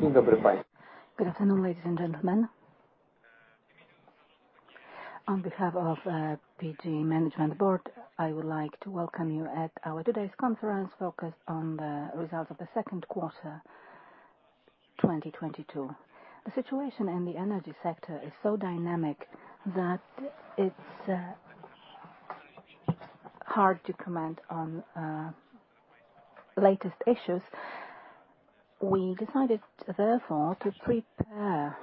Good afternoon, ladies and gentlemen. On behalf of PGE Management Board, I would like to welcome you at our today's conference focused on the results of the second quarter, 2022. The situation in the energy sector is so dynamic that it's hard to comment on latest issues. We decided, therefore, to prepare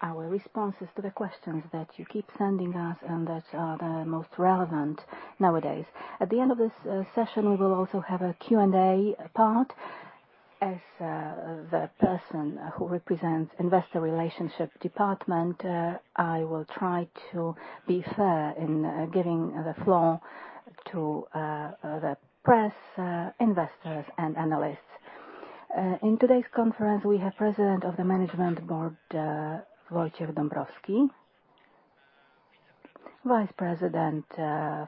our responses to the questions that you keep sending us and that are the most relevant nowadays. At the end of this session, we will also have a Q&A part. As the person who represents Investor Relations department, I will try to be fair in giving the floor to the press, investors and analysts. In today's conference, we have President of the Management Board, Wojciech Dąbrowski, Vice President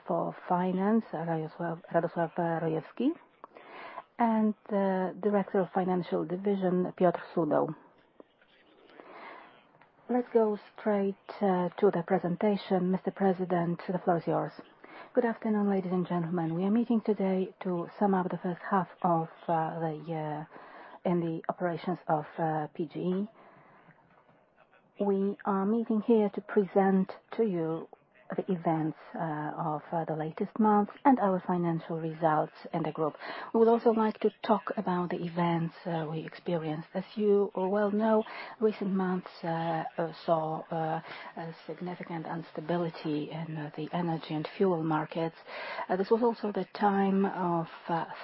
for Finance, Lechosław Rojewski, and Director of Financial Division, Piotr Sudoł. Let's go straight to the presentation. Mr. President, the floor is yours. Good afternoon, ladies and gentlemen. We are meeting today to sum up the first half of the year in the operations of PGE. We are meeting here to present to you the events of the latest months and our financial results in the group. We would also like to talk about the events we experienced. As you well know, recent months saw a significant instability in the energy and fuel markets. This was also the time of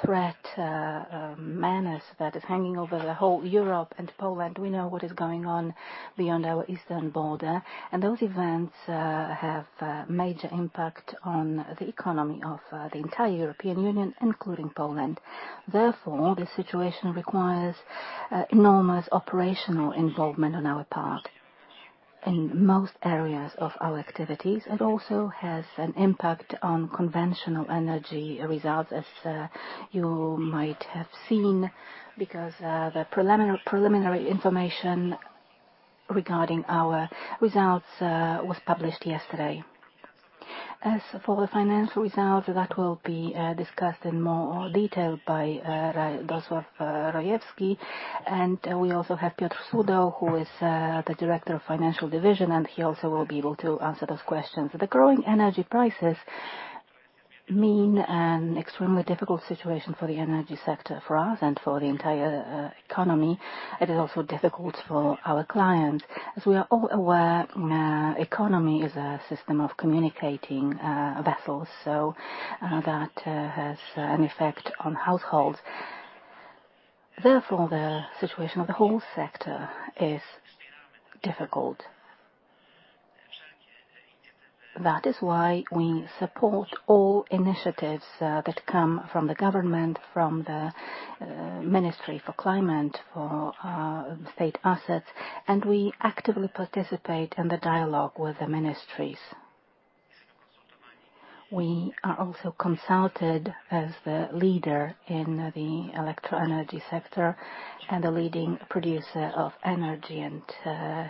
threat, menace that is hanging over the whole Europe and Poland. We know what is going on beyond our eastern border, and those events have major impact on the economy of the entire European Union, including Poland. Therefore, the situation requires enormous operational involvement on our part in most areas of our activities. It also has an impact on conventional energy results, as you might have seen, because the preliminary information regarding our results was published yesterday. As for the financial result, that will be discussed in more detail by Lechosław Rojewski. We also have Piotr Sudoł, who is the Director of Financial Division, and he also will be able to answer those questions. The growing energy prices mean an extremely difficult situation for the energy sector, for us and for the entire economy. It is also difficult for our clients. As we are all aware, economy is a system of communicating vessels, so that has an effect on households. Therefore, the situation of the whole sector is difficult. That is why we support all initiatives that come from the government, from the Ministry of Climate and Environment, Ministry of State Assets, and we actively participate in the dialogue with the ministries. We are also consulted as the leader in the electro-energy sector and the leading producer of energy and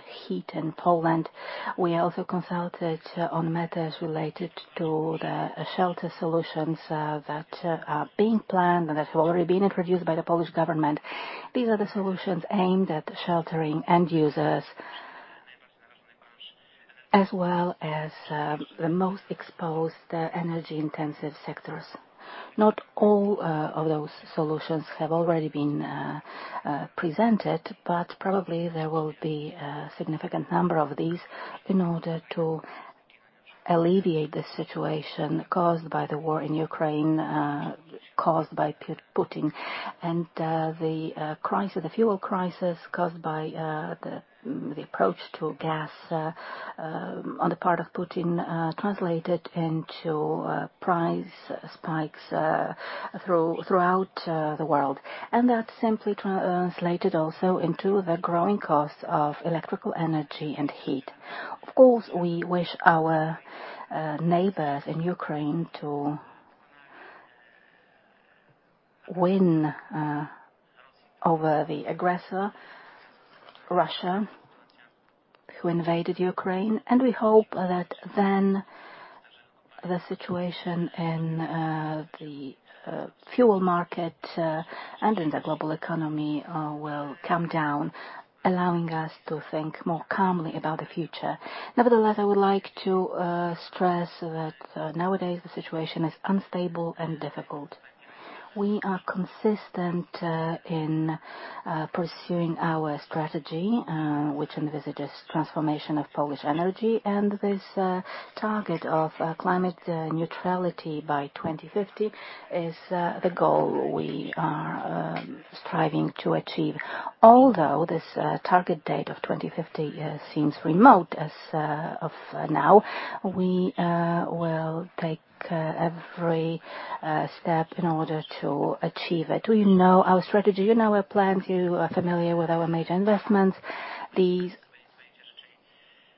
heat in Poland. We are also consulted on matters related to the shelter solutions that are being planned and that have already been introduced by the Polish government. These are the solutions aimed at sheltering end users as well as the most exposed energy-intensive sectors. Not all of those solutions have already been presented, but probably there will be a significant number of these in order to alleviate the situation caused by the war in Ukraine, caused by Putin. The crisis, the fuel crisis caused by the approach to gas on the part of Putin translated into price spikes throughout the world. That's simply translated also into the growing cost of electrical energy and heat. Of course, we wish our neighbors in Ukraine to win over the aggressor, Russia, who invaded Ukraine. We hope that then the situation in the fuel market and in the global economy will calm down, allowing us to think more calmly about the future. Nevertheless, I would like to stress that nowadays the situation is unstable and difficult. We are consistent in pursuing our strategy which envisages transformation of Polish energy. This target of climate neutrality by 2050 is the goal we are striving to achieve. Although this target date of 2050 seems remote as of now, we will take every step in order to achieve it. We know our strategy, you know our plan, you are familiar with our major investments. These,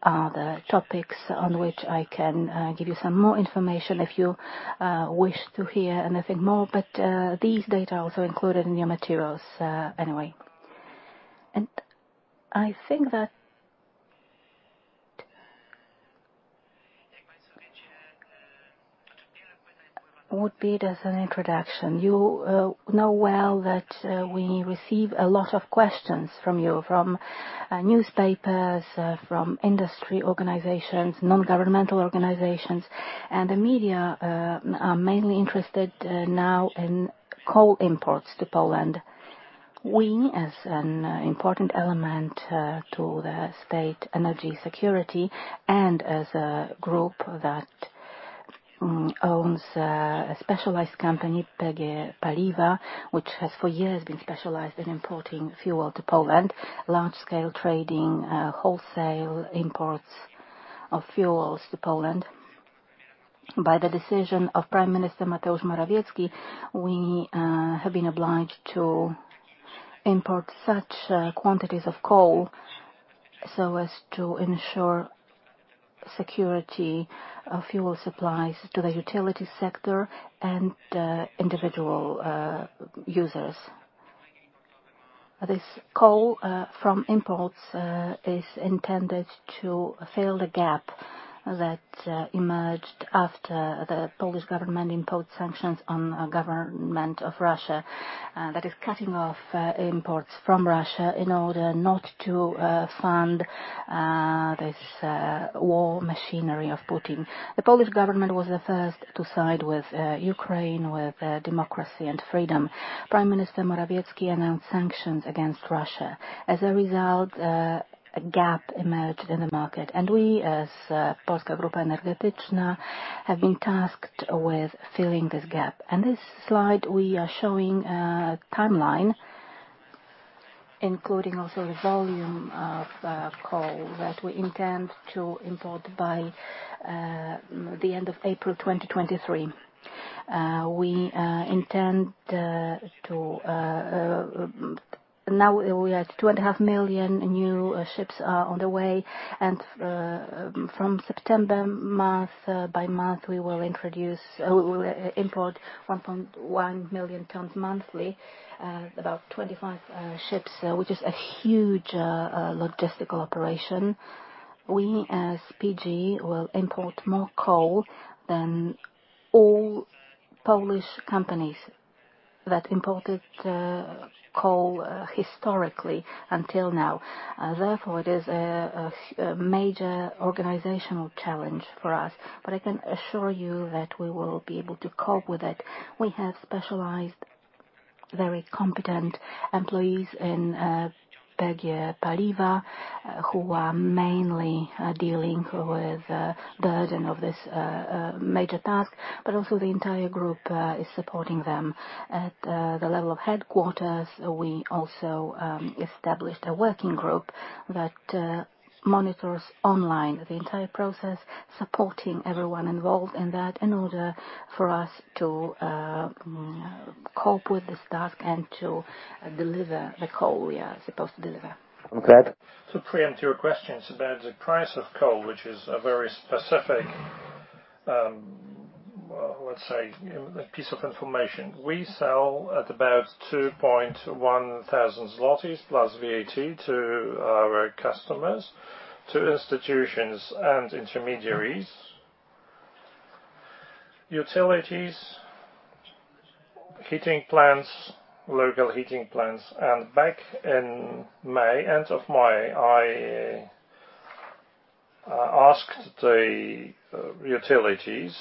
the topics on which I can give you some more information if you wish to hear anything more, but these data also included in your materials, anyway. I think that would be just an introduction. You know well that we receive a lot of questions from you, from newspapers, from industry organizations, non-governmental organizations. The media are mainly interested now in coal imports to Poland. We, as an important element to the state energy security, and as a group that owns a specialized company, PGE Paliwa, which has for years been specialized in importing fuel to Poland, large scale trading, wholesale imports of fuels to Poland. By the decision of Prime Minister Mateusz Morawiecki, we have been obliged to import such quantities of coal so as to ensure security of fuel supplies to the utility sector and individual users. This coal from imports is intended to fill the gap that emerged after the Polish government imposed sanctions on government of Russia. That is cutting off imports from Russia in order not to fund this war machinery of Putin. The Polish government was the first to side with Ukraine, with democracy and freedom. Prime Minister Mateusz Morawiecki announced sanctions against Russia. As a result, a gap emerged in the market, and we as Polska Grupa Energetyczna have been tasked with filling this gap. On this slide, we are showing a timeline, including also the volume of coal that we intend to import by the end of April 2023. We intend to. Now we are at 2.5 million tons. New ships are on the way. From September month, by month, we will import 1.1 million tons monthly, about 25 ships, which is a huge logistical operation. We, as PGE, will import more coal than all Polish companies that imported coal historically until now. Therefore, it is a major organizational challenge for us. I can assure you that we will be able to cope with it. We have specialized, very competent employees in PGE Paliwa who are mainly dealing with the burden of this major task, but also the entire group is supporting them. At the level of headquarters, we also established a working group that monitors online the entire process, supporting everyone involved in that in order for us to cope with this task and to deliver the coal we are supposed to deliver. Okay. To preempt your questions about the price of coal, which is a very specific, let's say a piece of information. We sell at about 2,100 zlotys plus VAT to our customers, to institutions and intermediaries, utilities, heating plants, local heating plants. Back in May, end of May, I asked the utilities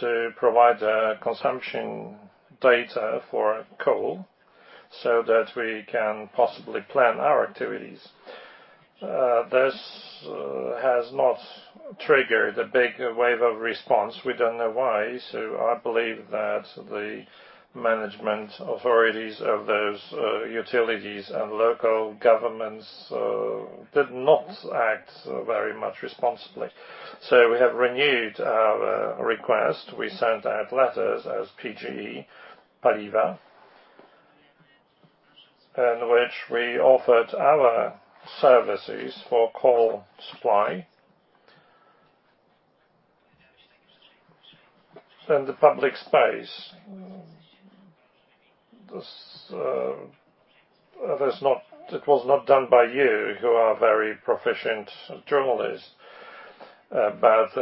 to provide the consumption data for coal so that we can possibly plan our activities. This has not triggered a big wave of response. We don't know why. I believe that the management authorities of those utilities and local governments did not act very much responsibly. We have renewed our request. We sent out letters as PGE Paliwa, in which we offered our services for coal supply in the public space. This, that's not. It was not done by you, who are a very proficient journalist, but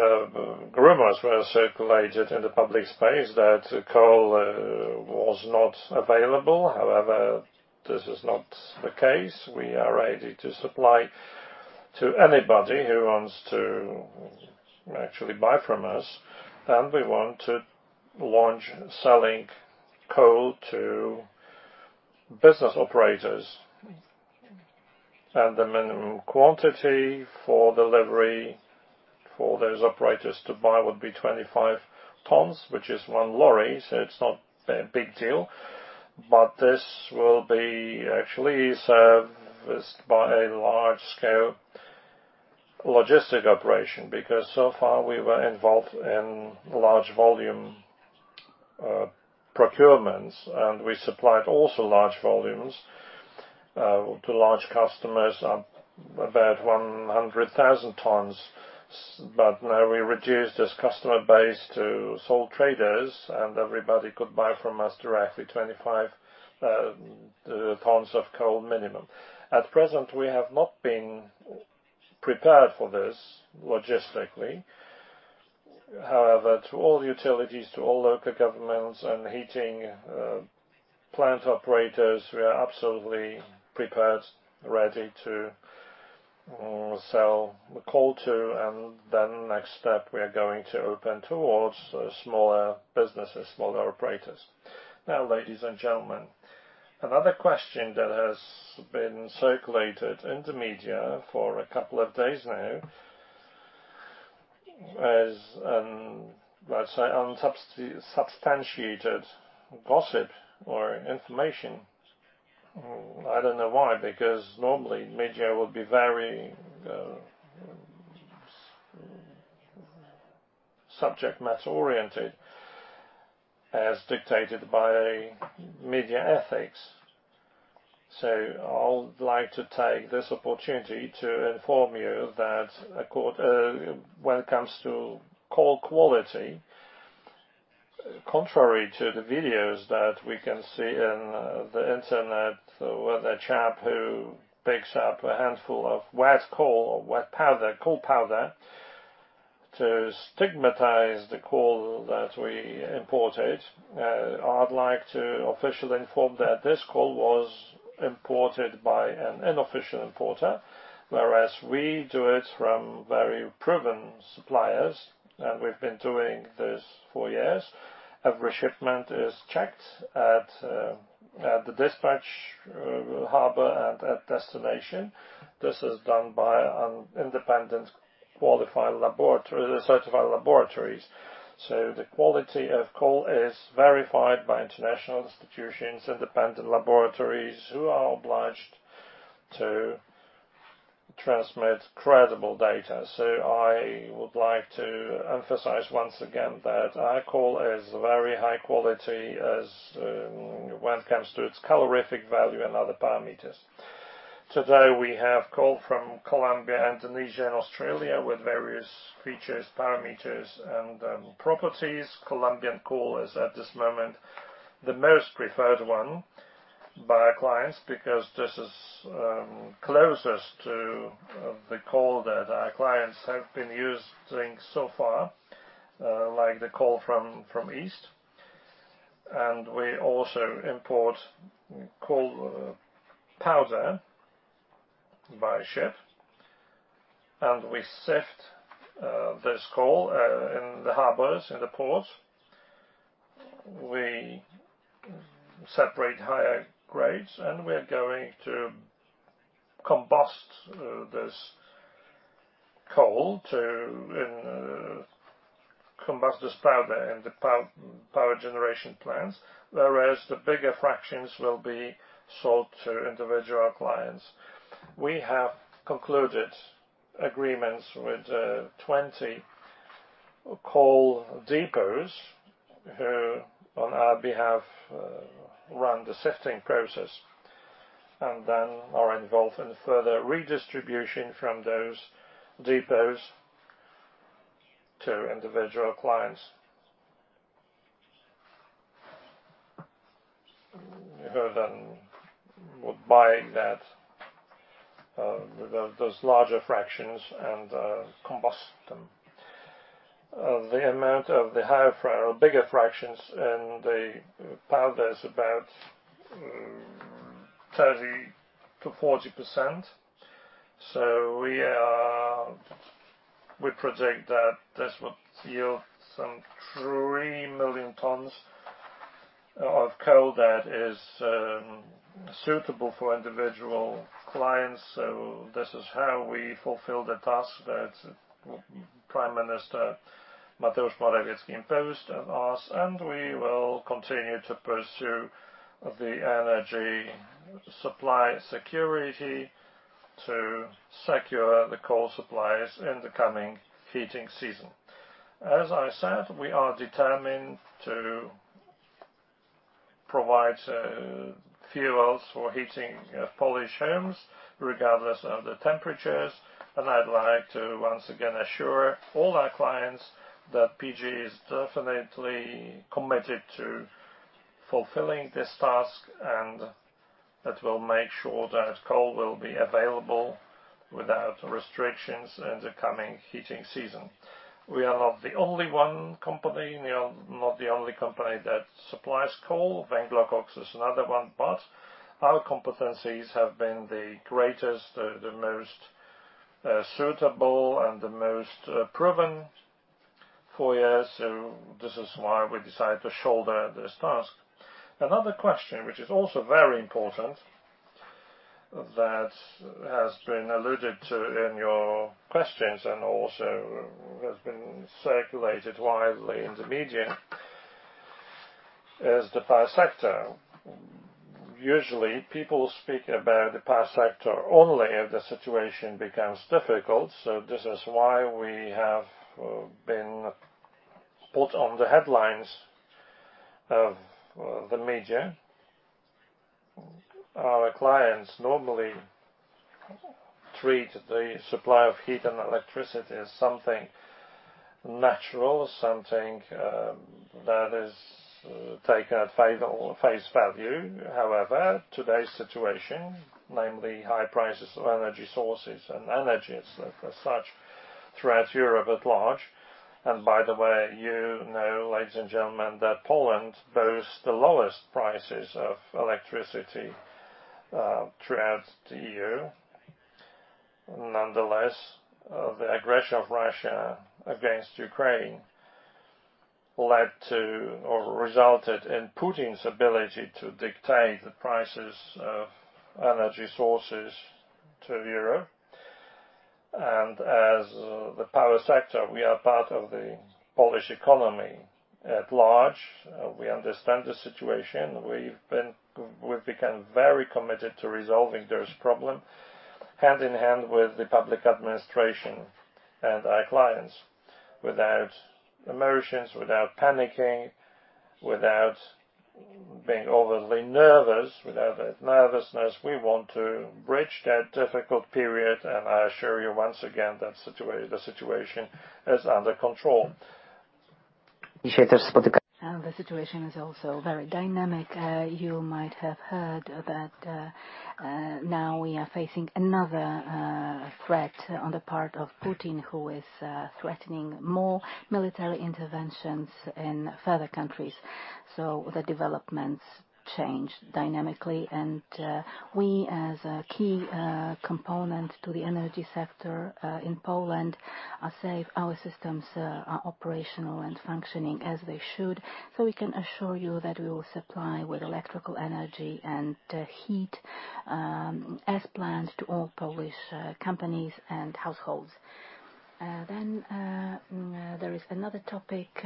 rumors were circulated in the public space that coal was not available. However, this is not the case. We are ready to supply to anybody who wants to actually buy from us, and we want to launch selling coal to business operators. The minimum quantity for delivery for those operators to buy would be 25 tons, which is one lorry, so it's not a big deal. This will be actually serviced by a large-scale logistics operation, because so far we were involved in large volume procurements, and we supplied also large volumes to large customers up about 100,000 tons. Now we reduced this customer base to sole traders, and everybody could buy from us directly 25 tons of coal minimum. At present, we have not been prepared for this logistically. However, to all utilities, to all local governments and heating plant operators, we are absolutely prepared, ready to sell the coal to. Next step, we are going to open towards smaller businesses, smaller operators. Now, ladies and gentlemen, another question that has been circulated in the media for a couple of days now is, let's say, unsubstantiated gossip or information. I don't know why, because normally media will be very, subject matter-oriented as dictated by media ethics. I would like to take this opportunity to inform you that when it comes to coal quality, contrary to the videos that we can see in the internet with a chap who picks up a handful of wet coal or wet powder, coal powder, to stigmatize the coal that we imported, I'd like to officially inform that this coal was imported by an unofficial importer, whereas we do it from very proven suppliers, and we've been doing this for years. Every shipment is checked at the dispatch harbor and at destination. This is done by an independent qualified laboratory, certified laboratories. The quality of coal is verified by international institutions, independent laboratories who are obliged to transmit credible data. I would like to emphasize once again that our coal is very high quality as when it comes to its calorific value and other parameters. Today, we have coal from Colombia, Indonesia, and Australia with various features, parameters, and properties. Colombian coal is, at this moment, the most preferred one by our clients because this is closest to the coal that our clients have been using so far, like the coal from East. We also import coal powder by ship, and we sift this coal in the harbors, in the ports. We separate higher grades, and we're going to combust this powder in the power generation plants, whereas the bigger fractions will be sold to individual clients. We have concluded agreements with 20 coal depots who on our behalf run the sifting process and then are involved in further redistribution from those depots to individual clients, who then would buy those larger fractions and combust them. The amount of the higher or bigger fractions in the powder is about 30%-40%. We predict that this would yield some 3 million tons of coal that is suitable for individual clients. This is how we fulfill the task that Prime Minister Mateusz Morawiecki imposed on us, and we will continue to pursue the energy supply security to secure the coal supplies in the coming heating season. As I said, we are determined to provide fuels for heating Polish homes regardless of the temperatures. I'd like to once again assure all our clients that PGE is definitely committed to fulfilling this task and that we'll make sure that coal will be available without restrictions in the coming heating season. We are not the only company that supplies coal. Węglokoks is another one, but our competencies have been the greatest, the most suitable, and the most proven for you. This is why we decided to shoulder this task. Another question which is also very important that has been alluded to in your questions and also has been circulated widely in the media is the power sector. Usually people speak about the power sector only if the situation becomes difficult. This is why we have been put on the headlines of the media. Our clients normally treat the supply of heat and electricity as something natural, something that is taken at face value. However, today's situation, namely high prices of energy sources and energies as such throughout Europe at large. By the way, you know, ladies and gentlemen, that Poland boasts the lowest prices of electricity throughout the EU. Nonetheless, the aggression of Russia against Ukraine led to or resulted in Putin's ability to dictate the prices of energy sources to Europe. As the power sector, we are part of the Polish economy at large. We understand the situation. We've become very committed to resolving this problem hand in hand with the public administration and our clients. Without emotions, without panicking, without being overly nervous, without that nervousness, we want to bridge that difficult period. I assure you once again, that situation is under control. The situation is also very dynamic. You might have heard that now we are facing another threat on the part of Putin, who is threatening more military interventions in further countries. The developments change dynamically, and we, as a key component of the energy sector in Poland, are safe. Our systems are operational and functioning as they should. We can assure you that we will supply with electrical energy and heat as planned to all Polish companies and households. There is another topic.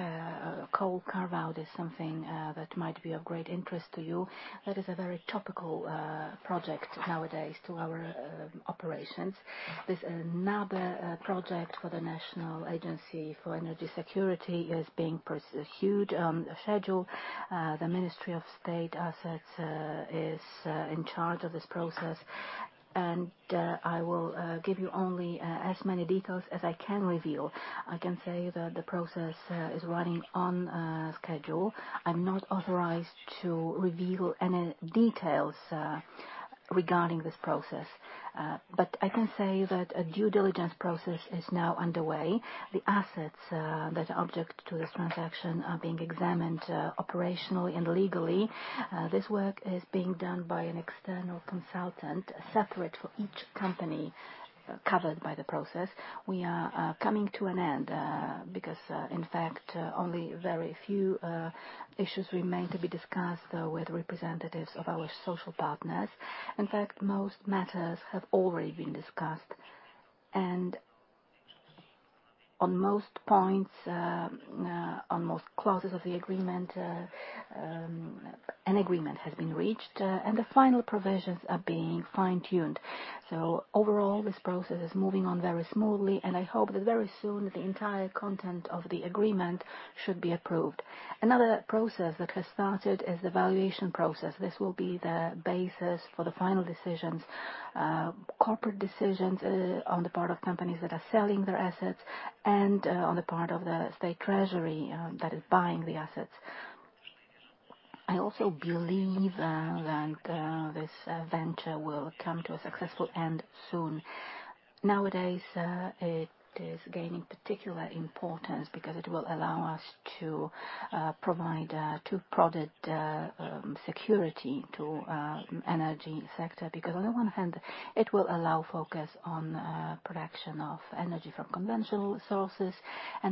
Coal carve out is something that might be of great interest to you. That is a very topical project nowadays to our operations. This another project for the National Energy Security Agency is being pursued on schedule. The Ministry of State Assets is in charge of this process, and I will give you only as many details as I can reveal. I can say that the process is running on schedule. I'm not authorized to reveal any details regarding this process. I can say that a due diligence process is now underway. The assets that are subject to this transaction are being examined operationally and legally. This work is being done by an external consultant, separate for each company covered by the process. We are coming to an end because in fact only very few issues remain to be discussed with representatives of our social partners. In fact, most matters have already been discussed, and on most clauses of the agreement, an agreement has been reached, and the final provisions are being fine-tuned. Overall, this process is moving on very smoothly, and I hope that very soon the entire content of the agreement should be approved. Another process that has started is the valuation process. This will be the basis for the final decisions, corporate decisions, on the part of companies that are selling their assets and, on the part of the state treasury, that is buying the assets. I also believe that this venture will come to a successful end soon. Nowadays, it is gaining particular importance because it will allow us to provide two-pronged security to energy sector, because on the one hand, it will allow focus on production of energy from conventional sources.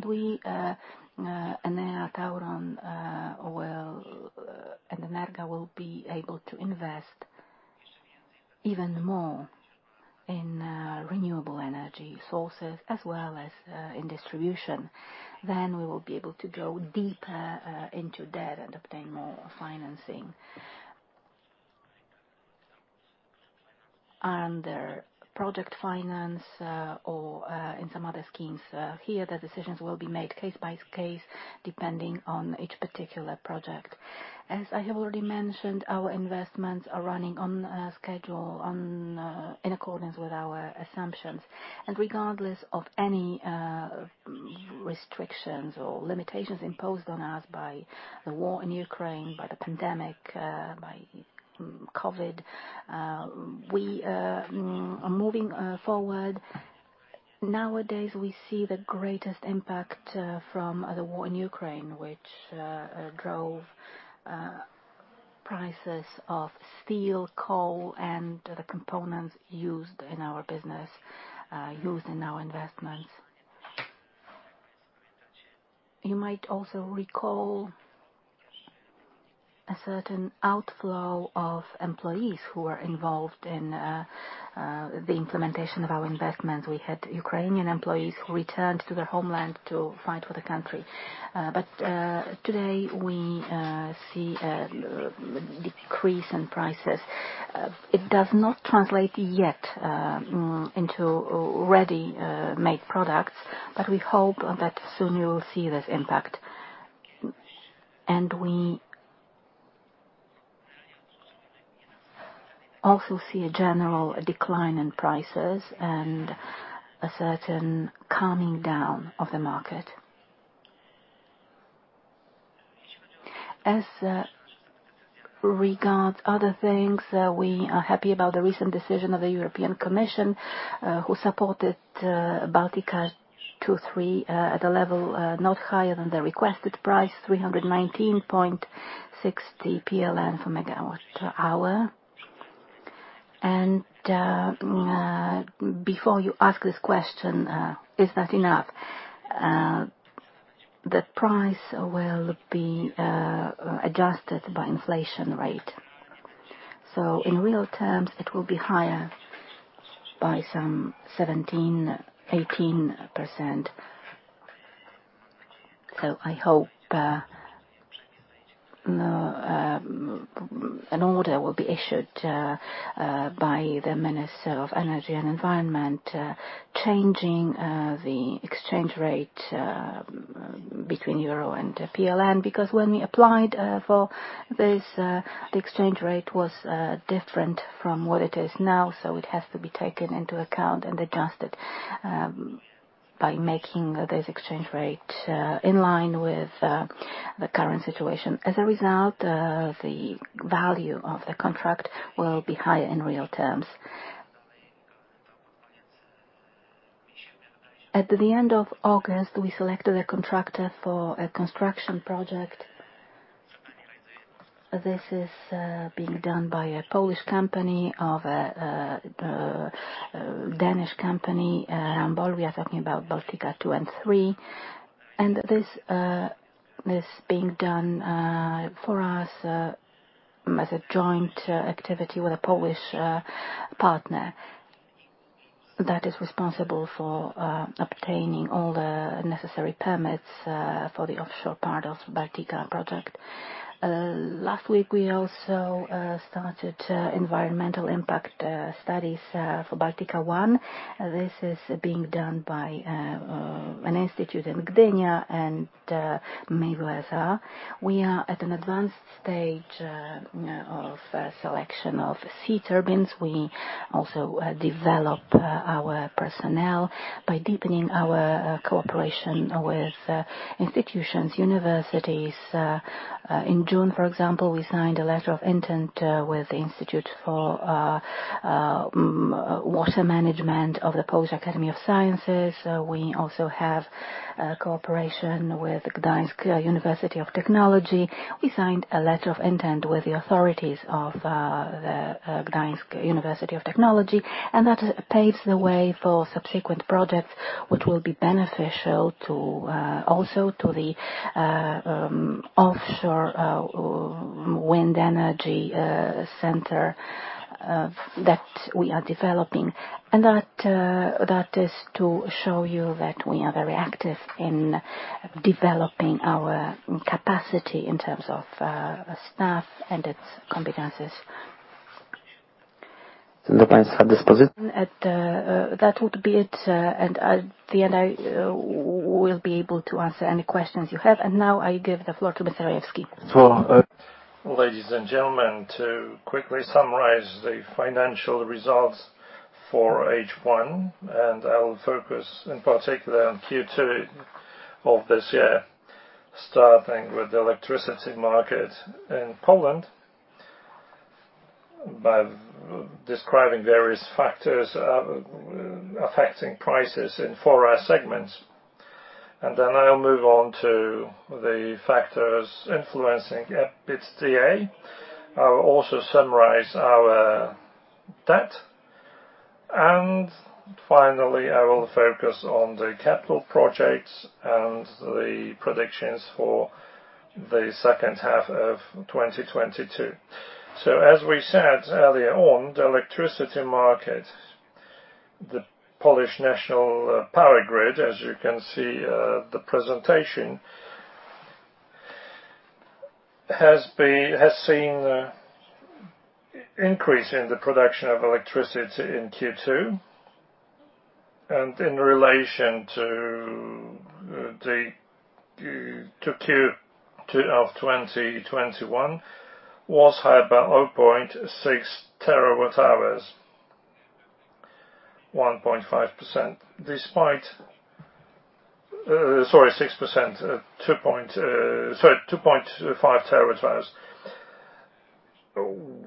We, Enea, Tauron, and Energa will be able to invest even more in renewable energy sources as well as in distribution. We will be able to go deeper into debt and obtain more financing under project finance or in some other schemes. Here the decisions will be made case-by-case, depending on each particular project. As I have already mentioned, our investments are running on schedule in accordance with our assumptions. Regardless of any restrictions or limitations imposed on us by the war in Ukraine, by the pandemic, by COVID, we are moving forward. Nowadays, we see the greatest impact from the war in Ukraine, which drove prices of steel, coal and the components used in our investments. You might also recall a certain outflow of employees who were involved in the implementation of our investments. We had Ukrainian employees who returned to their homeland to fight for the country. Today we see a decrease in prices. It does not translate yet into a ready made product, but we hope that soon you'll see this impact. We also see a general decline in prices and a certain calming down of the market. As regards other things, we are happy about the recent decision of the European Commission, who supported Baltica 2, Baltica 3 at a level not higher than the requested price, 319.60 PLN per MWh. Before you ask this question, is that enough? The price will be adjusted by inflation rate. In real terms, it will be higher by some 17%-18%. I hope an order will be issued by the Minister of Energy and Environment, changing the exchange rate between euro and PLN. Because when we applied for this, the exchange rate was different from what it is now, so it has to be taken into account and adjusted by making this exchange rate in line with the current situation. As a result, the value of the contract will be higher in real terms. At the end of August, we selected a contractor for a construction project. This is being done by a Polish company and the Danish company Ørsted. We are talking about Baltica 2 and Baltica 3. This is being done for us as a joint activity with a Polish partner that is responsible for obtaining all the necessary permits for the offshore part of Baltica project. Last week we also started environmental impact studies for Baltica 1. This is being done by an institute in Gdynia and we are at an advanced stage of selection of sea turbines. We also develop our personnel by deepening our cooperation with institutions, universities. In June, for example, we signed a letter of intent with the Institute of Hydro-Engineering of the Polish Academy of Sciences. We also have cooperation with Gdańsk University of Technology. We signed a letter of intent with the authorities of the Gdańsk University of Technology, and that paves the way for subsequent projects, which will be beneficial also to the offshore wind energy center that we are developing. That is to show you that we are very active in developing our capacity in terms of staff and its competencies. The clients have disposition. That would be it, and at the end, I will be able to answer any questions you have. Now I give the floor to Rojewski. Ladies and gentlemen, to quickly summarize the financial results for H1, and I will focus in particular on Q2 of this year, starting with the electricity market in Poland, by describing various factors affecting prices in four segments. Then I'll move on to the factors influencing EBITDA. I will also summarize our debt. Finally, I will focus on the capital projects and the predictions for the second half of 2022. As we said earlier on, the electricity market, the Polish National Power Grid, as you can see, the presentation, has seen increase in the production of electricity in Q2. In relation to Q2 of 2021 was high by 2.5 TWh, 6%.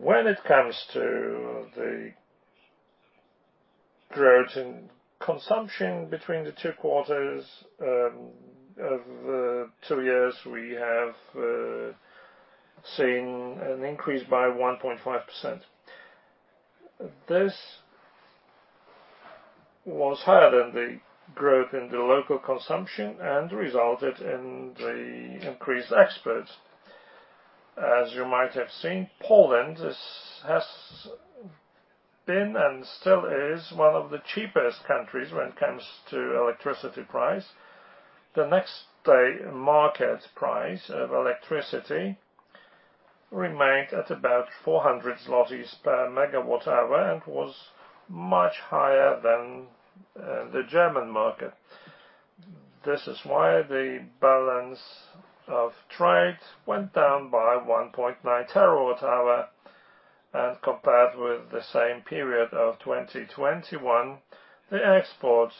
When it comes to the growth in consumption between the two quarters of 2 years, we have seen an increase by 1.5%. This was higher than the growth in the local consumption and resulted in the increased exports. As you might have seen, Poland is, has been and still is one of the cheapest countries when it comes to electricity price. The next day market price of electricity remained at about 400 zlotys per MWh and was much higher than the German market. This is why the balance of trade went down by 1.9 TWh. Compared with the same period of 2021, the exports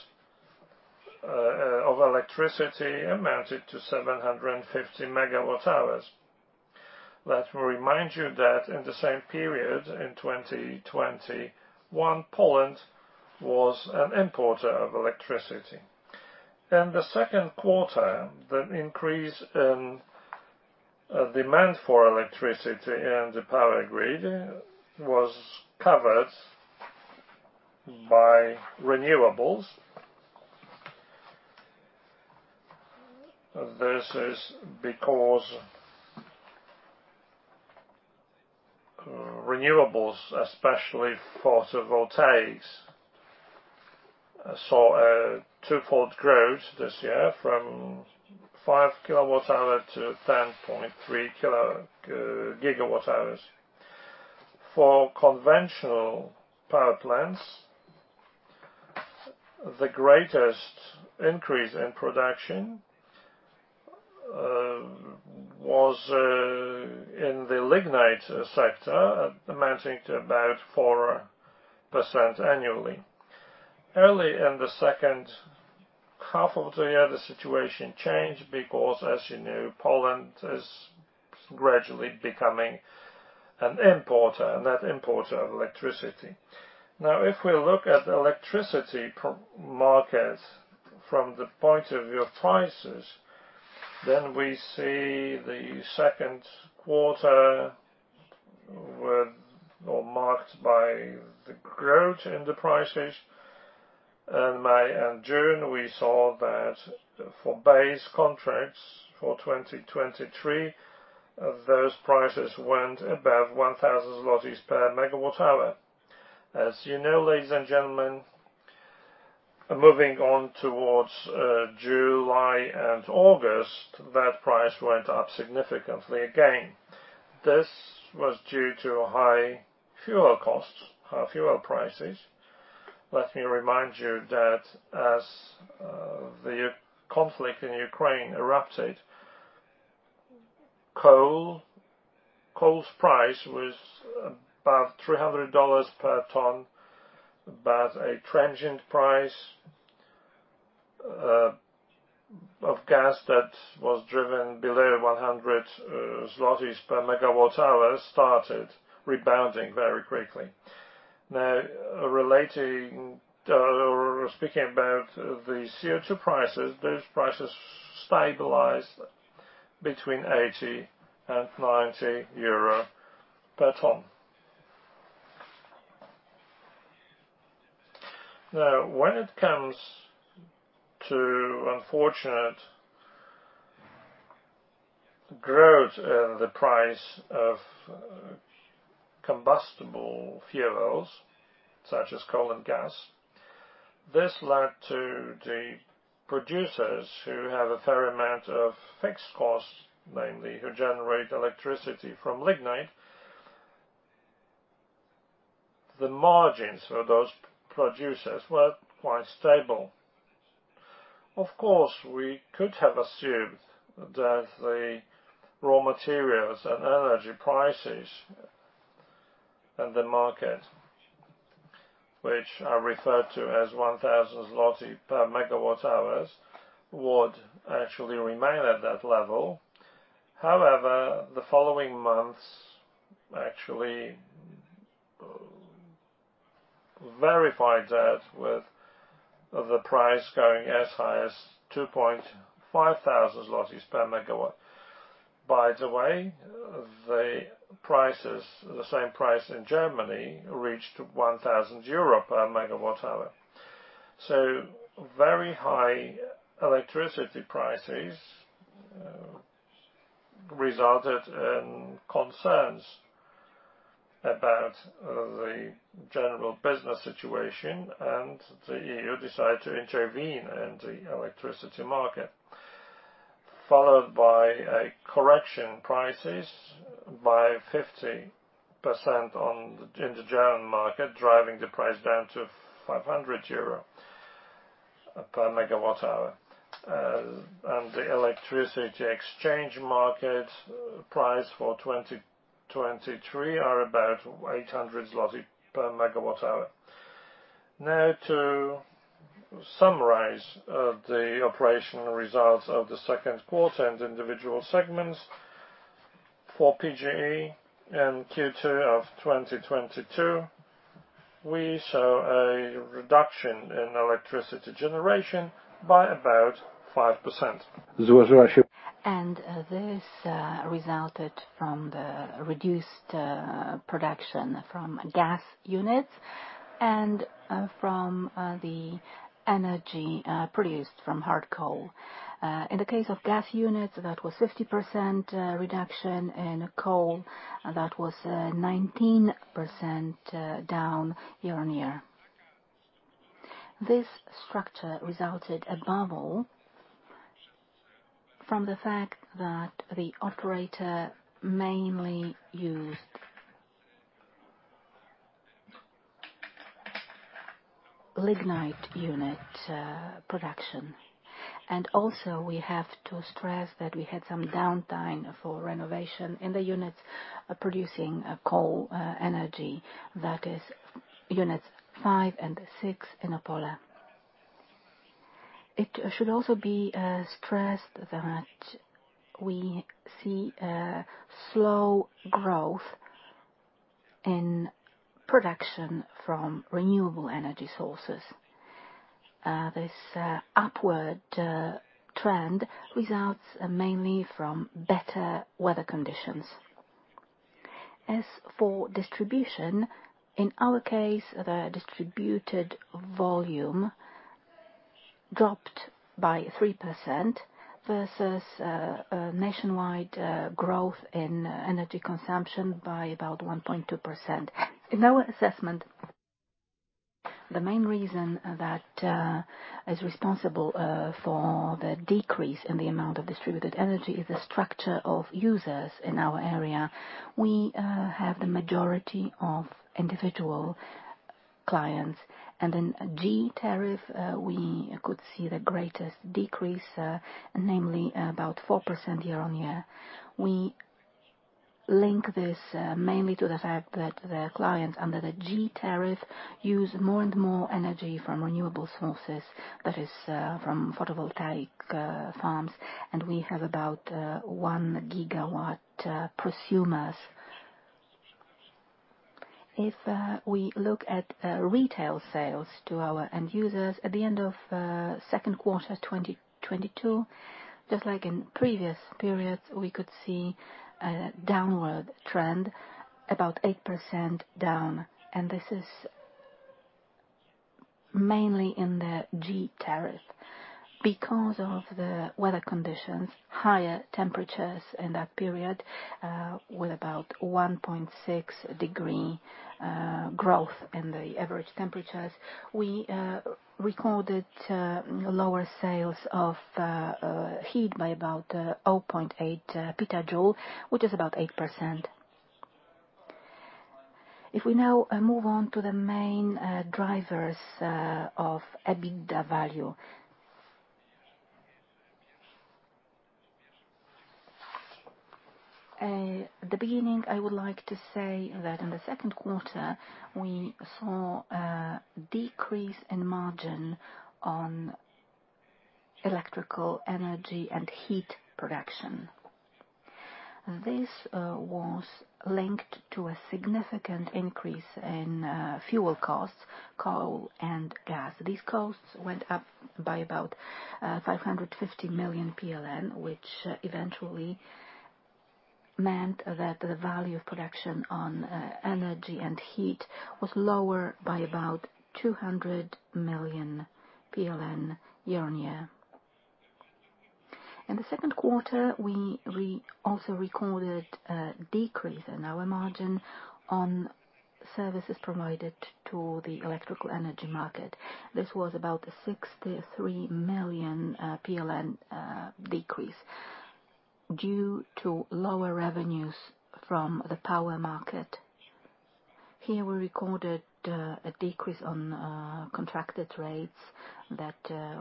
of electricity amounted to 750 MWh. Let me remind you that in the same period in 2021, Poland was an importer of electricity. In the second quarter, the increase in demand for electricity in the power grid was covered by renewables. This is because renewables, especially photovoltaics, saw a twofold growth this year from 5 kWh to 10.3 GWh. For conventional power plants, the greatest increase in production was in the lignite sector, amounting to about 4% annually. Early in the second half of the year, the situation changed because, as you know, Poland is gradually becoming an importer, a net importer of electricity. Now, if we look at electricity market from the point of view of prices, then we see the second quarter was marked by the growth in the prices. In May and June, we saw that for base contracts for 2023 those prices went above 1000 zlotys per MWh. As you know, ladies and gentlemen, moving on towards July and August, that price went up significantly again. This was due to high fuel costs, fuel prices. Let me remind you that as the conflict in Ukraine erupted, coal's price was above $300 per ton, but a transient price of gas that was driven below 100 zlotys per MWh started rebounding very quickly. Now, relating or speaking about the CO₂ prices, those prices stabilized between 80 and 90 euro per ton. Now, when it comes to unfortunate growth in the price of combustible fuels, such as coal and gas, this led to the producers who have a fair amount of fixed costs, namely who generate electricity from lignite. The margins for those producers were quite stable. Of course, we could have assumed that the raw materials and energy prices in the market, which are referred to as 1,000 zloty per MWh, would actually remain at that level. However, the following months actually verified that with the price going as high as 2,500 zlotys per MWh. By the way, the prices, the same price in Germany, reached 1,000 euro per MWh. Very high electricity prices resulted in concerns about the general business situation, and the EU decided to intervene in the electricity market, followed by a correction prices by 50% in the German market, driving the price down to 500 euro per MWh. The electricity exchange market price for 2023 are about 800 zloty per MWh. Now to summarize, the operational results of the second quarter and individual segments. For PGE in Q2 of 2022, we saw a reduction in electricity generation by about 5%. This resulted from the reduced production from gas units and from the energy produced from hard coal. In the case of gas units, that was 50% reduction. In coal, that was 19% down year-on-year. This structure resulted above all from the fact that the operator mainly used lignite unit production. We have to stress that we had some downtime for renovation in the units producing coal energy. That is units five and six in Opole. It should also be stressed that we see a slow growth in production from renewable energy sources. This upward trend results mainly from better weather conditions. As for distribution, in our case, the distributed volume dropped by 3% versus a nationwide growth in energy consumption by about 1.2%. In our assessment, the main reason that is responsible for the decrease in the amount of distributed energy is the structure of users in our area. We have the majority of individual clients, and in G tariff we could see the greatest decrease, namely about 4% year-on-year. We link this mainly to the fact that the clients under the G tariff use more and more energy from renewable sources, that is, from photovoltaic farms, and we have about 1 GW prosumers. If we look at retail sales to our end users at the end of second quarter 2022, just like in previous periods, we could see a downward trend, about 8% down. This is mainly in the G tariff. Because of the weather conditions, higher temperatures in that period, with about 1.6-degree growth in the average temperatures, we recorded lower sales of heat by about 0.8 PJ, which is about 8%. If we now move on to the main drivers of EBITDA value. At the beginning, I would like to say that in the second quarter, we saw a decrease in margin on electrical energy and heat production. This was linked to a significant increase in fuel costs, coal and gas. These costs went up by about 550 million PLN, which eventually meant that the value of production on energy and heat was lower by about 200 million PLN year-on-year. In the second quarter, we also recorded a decrease in our margin on services provided to the electrical energy market. This was about a 63 million PLN decrease due to lower revenues from the power market. Here we recorded a decrease on contracted rates that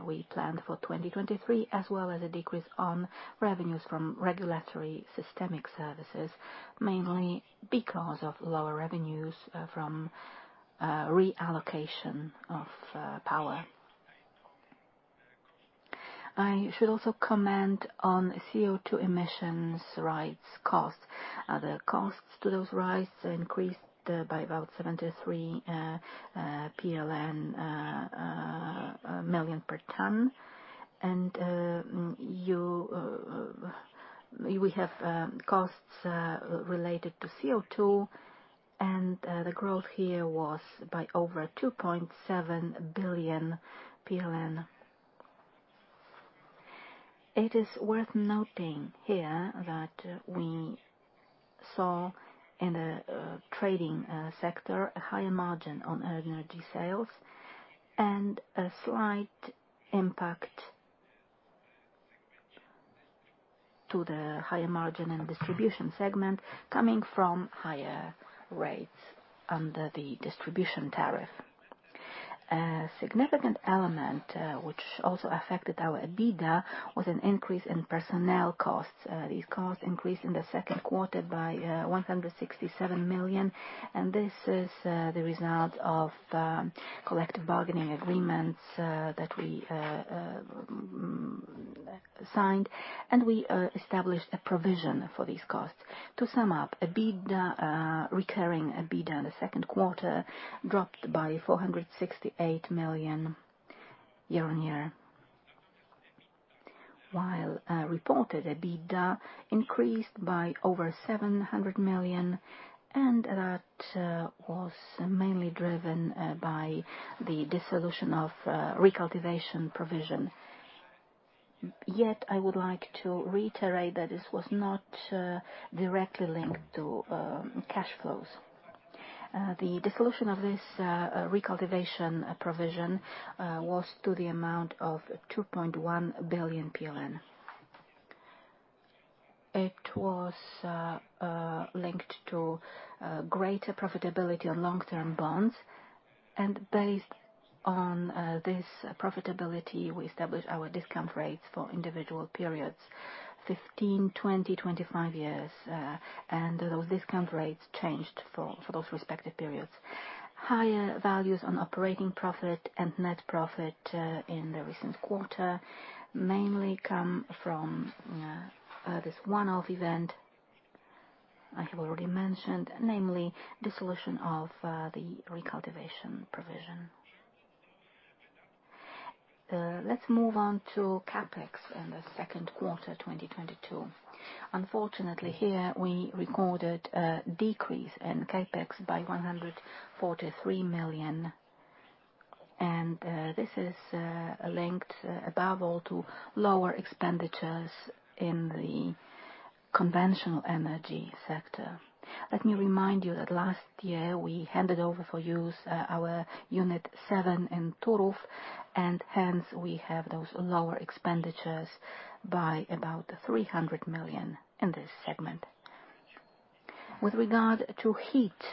we planned for 2023, as well as a decrease on revenues from regulatory systemic services, mainly because of lower revenues from reallocation of power. I should also comment on CO₂ emissions rights costs. The costs to those rights increased by about 73 million PLN per ton. We have costs related to CO₂, and the growth here was by over 2.7 billion PLN. It is worth noting here that we saw in the trading sector a higher margin on energy sales and a slight impact to the higher margin and distribution segment coming from higher rates under the distribution tariff. A significant element, which also affected our EBITDA was an increase in personnel costs. These costs increased in the second quarter by 167 million, and this is the result of collective bargaining agreements that we signed, and we established a provision for these costs. To sum up, EBITDA, recurring EBITDA in the second quarter dropped by 468 million year-on-year. While reported EBITDA increased by over 700 million, and that was mainly driven by the dissolution of recultivation provision. Yet, I would like to reiterate that this was not directly linked to cash flows. The dissolution of this recultivation provision was to the amount of 2.1 billion PLN. It was linked to greater profitability on long-term bonds, and based on this profitability, we established our discount rates for individual periods, 15, 20, 25 years. Those discount rates changed for those respective periods. Higher values on operating profit and net profit in the recent quarter mainly come from this one-off event I have already mentioned, namely dissolution of the recultivation provision. Let's move on to CapEx in the second quarter, 2022. Unfortunately, here we recorded a decrease in CapEx by 143 million. This is linked above all to lower expenditures in the conventional energy sector. Let me remind you that last year we handed over for use our unit seven in Turów, and hence we have those lower expenditures by about 300 million in this segment. With regard to heat,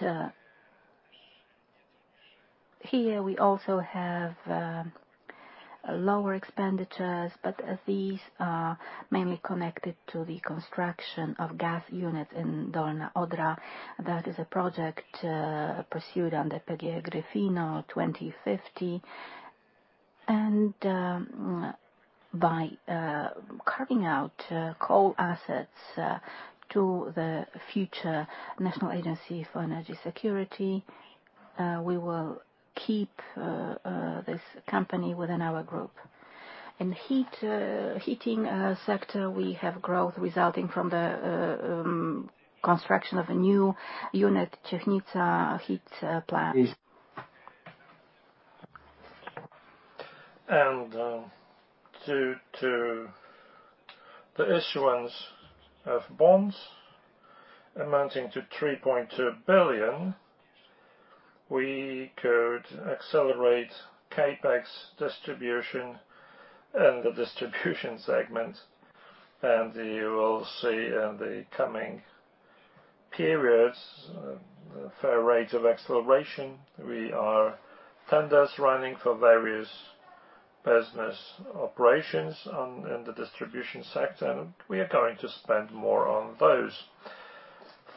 here we also have lower expenditures, but these are mainly connected to the construction of gas unit in Dolna Odra. That is a project pursued under PGE Gryfino 2050. By carving out coal assets to the future National Energy Security Agency we will keep this company within our group. In heat heating sector, we have growth resulting from the construction of a new unit, Siechnice Heat Plant. Due to the issuance of bonds amounting to 3.2 billion, we could accelerate CapEx distribution in the distribution segment. You will see in the coming periods a fair rate of acceleration. We have tenders running for various business operations in the distribution sector, and we are going to spend more on those.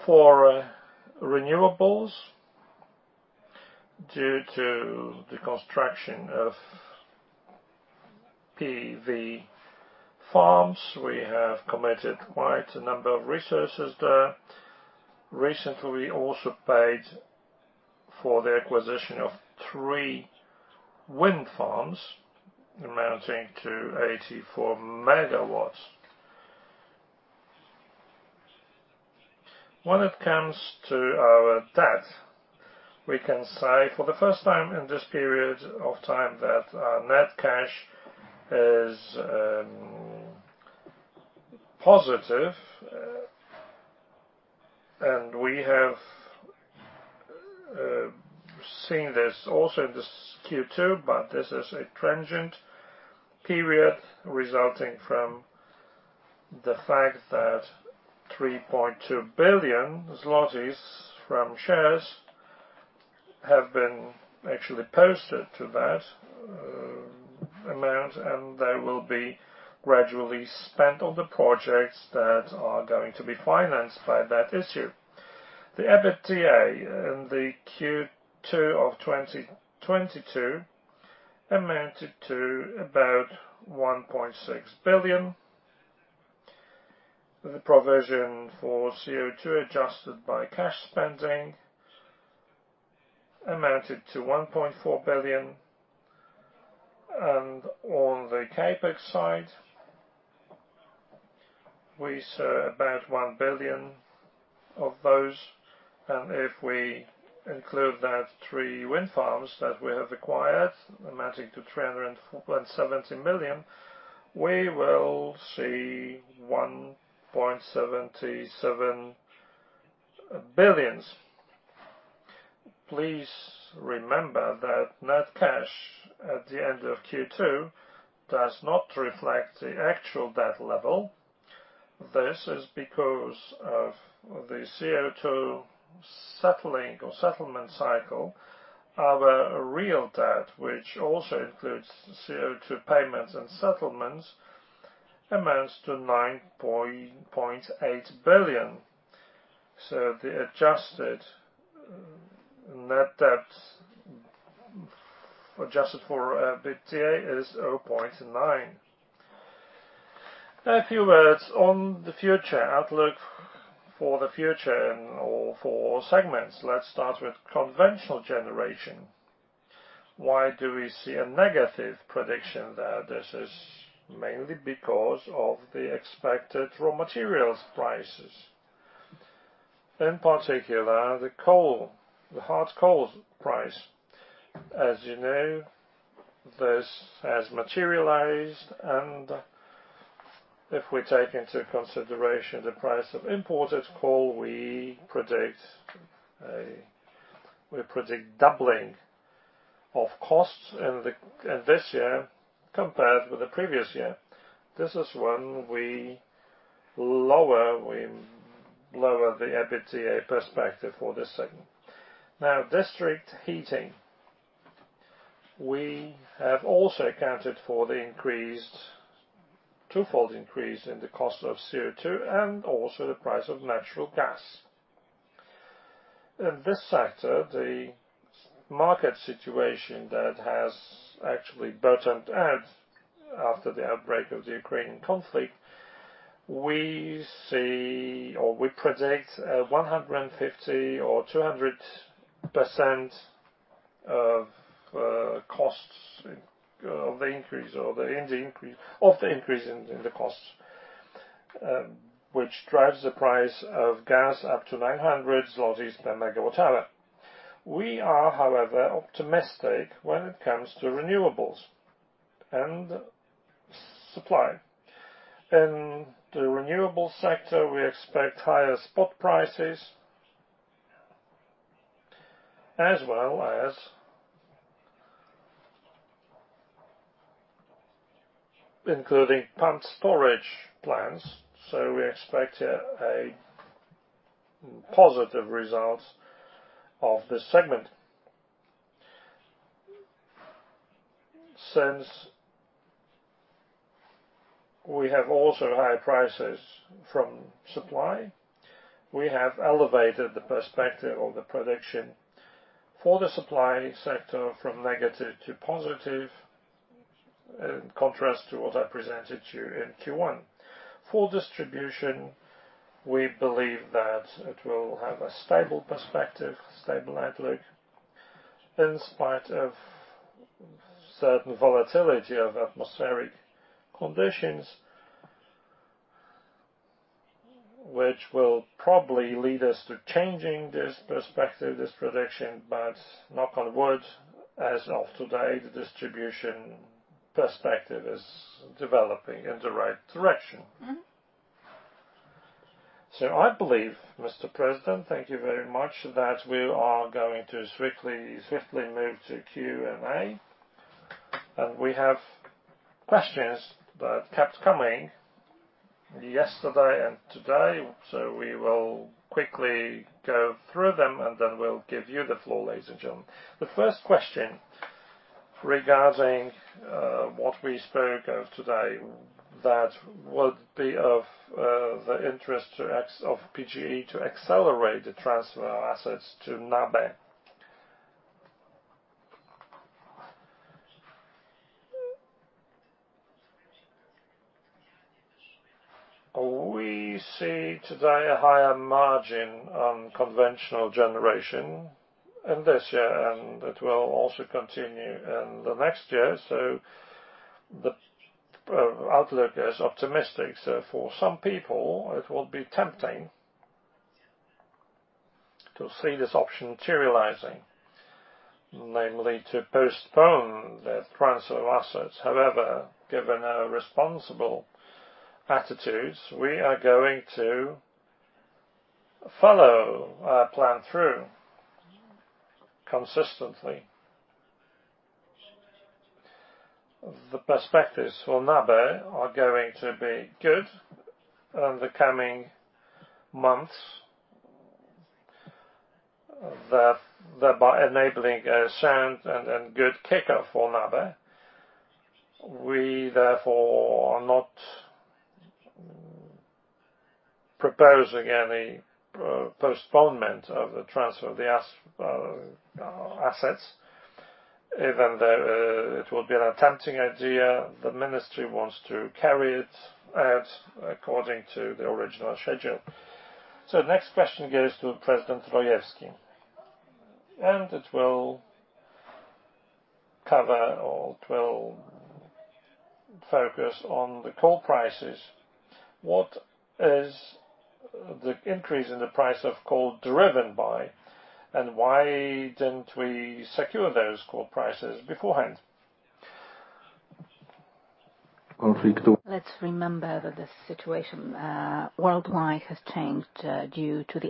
For renewables, due to the construction of PV farms, we have committed quite a number of resources there. Recently, we also paid for the acquisition of three wind farms amounting to 84 MW. When it comes to our debt, we can say for the first time in this period of time that our net cash is positive. We have seen this also in this Q2, but this is a transient period resulting from the fact that 3.2 billion zlotys from shares have been actually posted to that amount, and they will be gradually spent on the projects that are going to be financed by that issue. The EBITDA in the Q2 of 2022 amounted to about 1.6 billion. The provision for CO₂ adjusted by cash spending amounted to 1.4 billion. On the CapEx side, we saw about 1 billion of those. If we include that three wind farms that we have acquired, amounting to 304.7 million, we will see 1.77 billion. Please remember that net cash at the end of Q2 does not reflect the actual debt level. This is because of the CO₂ settling or settlement cycle. Our real debt, which also includes CO₂ payments and settlements, amounts to 9.8 billion. The adjusted net debt, adjusted for EBITDA, is 0.9. A few words on the future, outlook for the future and all four segments. Let's start with conventional generation. Why do we see a negative prediction there? This is mainly because of the expected raw materials prices. In particular, the coal, the hard coal price. As you know, this has materialized, and if we take into consideration the price of imported coal, we predict doubling of costs in this year compared with the previous year. This is when we lower the EBITDA perspective for this segment. Now, district heating. We have also accounted for the twofold increase in the cost of CO₂ and also the price of natural gas. In this sector, the market situation that has actually bottomed out after the outbreak of the Ukrainian conflict, we see or we predict 150% or 200% increase in the costs, which drives the price of gas up to 900 zlotys per MWh. We are, however, optimistic when it comes to renewables and supply. In the renewable sector, we expect higher spot prices as well as including pumped storage plants, so we expect a positive result of this segment. Since we have also high prices from supply, we have elevated the perspective or the prediction for the supply sector from negative to positive, in contrast to what I presented to you in Q1. For distribution, we believe that it will have a stable perspective, stable outlook, in spite of certain volatility of atmospheric conditions, which will probably lead us to changing this perspective, this prediction. Knock on wood, as of today, the distribution perspective is developing in the right direction. I believe, Mr. President, thank you very much, that we are going to swiftly move to Q&A. We have questions that kept coming yesterday and today, so we will quickly go through them, and then we'll give you the floor, ladies and gentlemen. The first question regarding what we spoke of today, that would be of interest to executives of PGE to accelerate the transfer of assets to NABE. We see today a higher margin on conventional generation in this year, and it will also continue in the next year. The outlook is optimistic. For some people, it will be tempting to see this option materializing, namely to postpone the transfer of assets. However, given our responsible attitudes, we are going to follow our plan through consistently. The perspectives for NABE are going to be good in the coming months, thereby enabling a sound and good kickoff for NABE. We therefore are not proposing any postponement of the transfer of the assets, even though it will be a tempting idea. The ministry wants to carry it out according to the original schedule. Next question goes to President Rojewski, and it will cover or it will focus on the coal prices. What is the increase in the price of coal driven by, and why didn't we secure those coal prices beforehand? Let's remember that the situation worldwide has changed due to the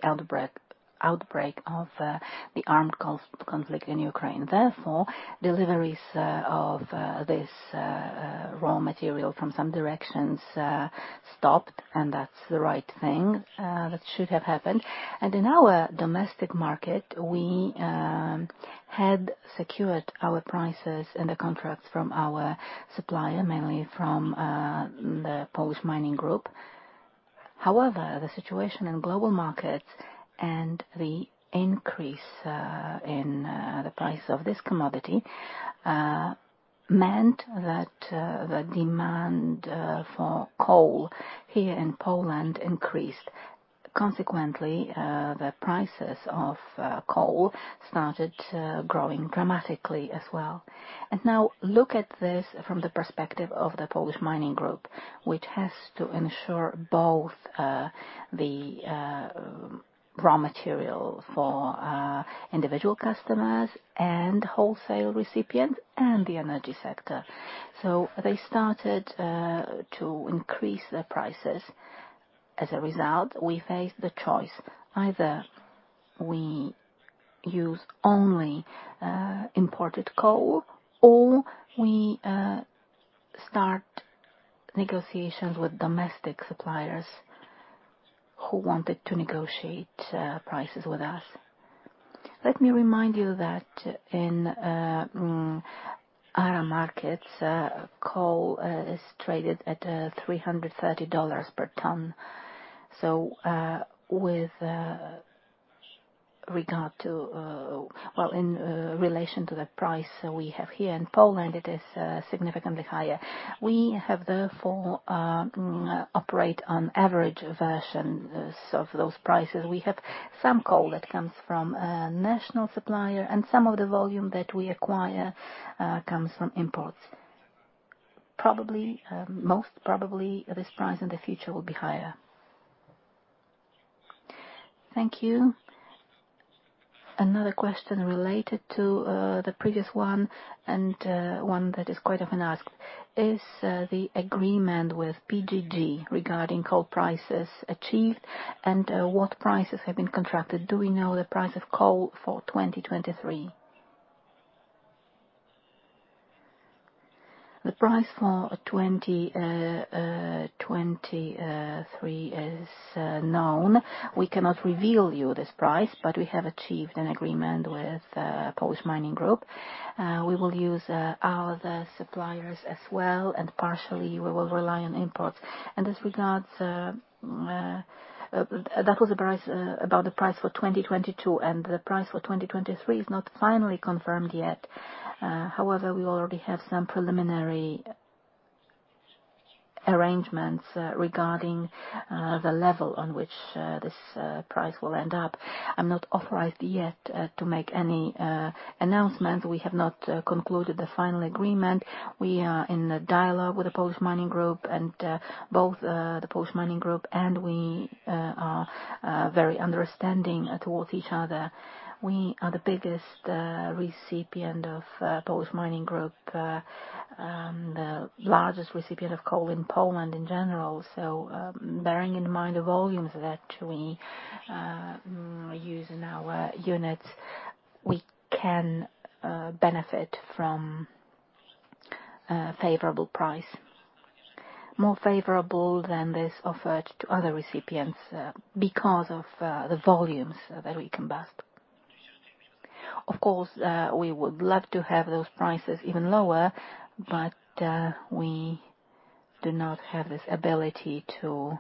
outbreak of the armed conflict in Ukraine. Therefore, deliveries of this raw material from some directions stopped, and that's the right thing that should have happened. In our domestic market, we had secured our prices and the contracts from our supplier, mainly from the Polish Mining Group. However, the situation in global markets and the increase in the price of this commodity meant that the demand for coal here in Poland increased. Consequently, the prices of coal started growing dramatically as well. Now look at this from the perspective of the Polish Mining Group, which has to ensure both the raw material for individual customers and wholesale recipients and the energy sector. They started to increase their prices. As a result, we faced the choice, either we use only imported coal or we start negotiations with domestic suppliers who wanted to negotiate prices with us. Let me remind you that in other markets, coal is traded at $330 per ton. Well, in relation to the price we have here in Poland, it is significantly higher. We have therefore operate on averages of those prices. We have some coal that comes from a national supplier and some of the volume that we acquire comes from imports. Probably, most probably, this price in the future will be higher. Thank you. Another question related to the previous one and one that is quite often asked. Is the agreement with PGG regarding coal prices achieved, and what prices have been contracted? Do we know the price of coal for 2023? The price for 2023 is known. We cannot reveal you this price, but we have achieved an agreement with Polish Mining Group. We will use other suppliers as well, and partially we will rely on imports. As regards that was the price about the price for 2022, and the price for 2023 is not finally confirmed yet. However, we already have some preliminary arrangements regarding the level on which this price will end up. I'm not authorized yet to make any announcements. We have not concluded the final agreement. We are in a dialogue with the Polish Mining Group, and both the Polish Mining Group and we are very understanding towards each other. We are the biggest recipient of the Polish Mining Group, the largest recipient of coal in Poland in general. Bearing in mind the volumes that we use in our units, we can benefit from favorable price, more favorable than those offered to other recipients, because of the volumes that we combust. Of course, we would love to have those prices even lower, but we do not have this ability to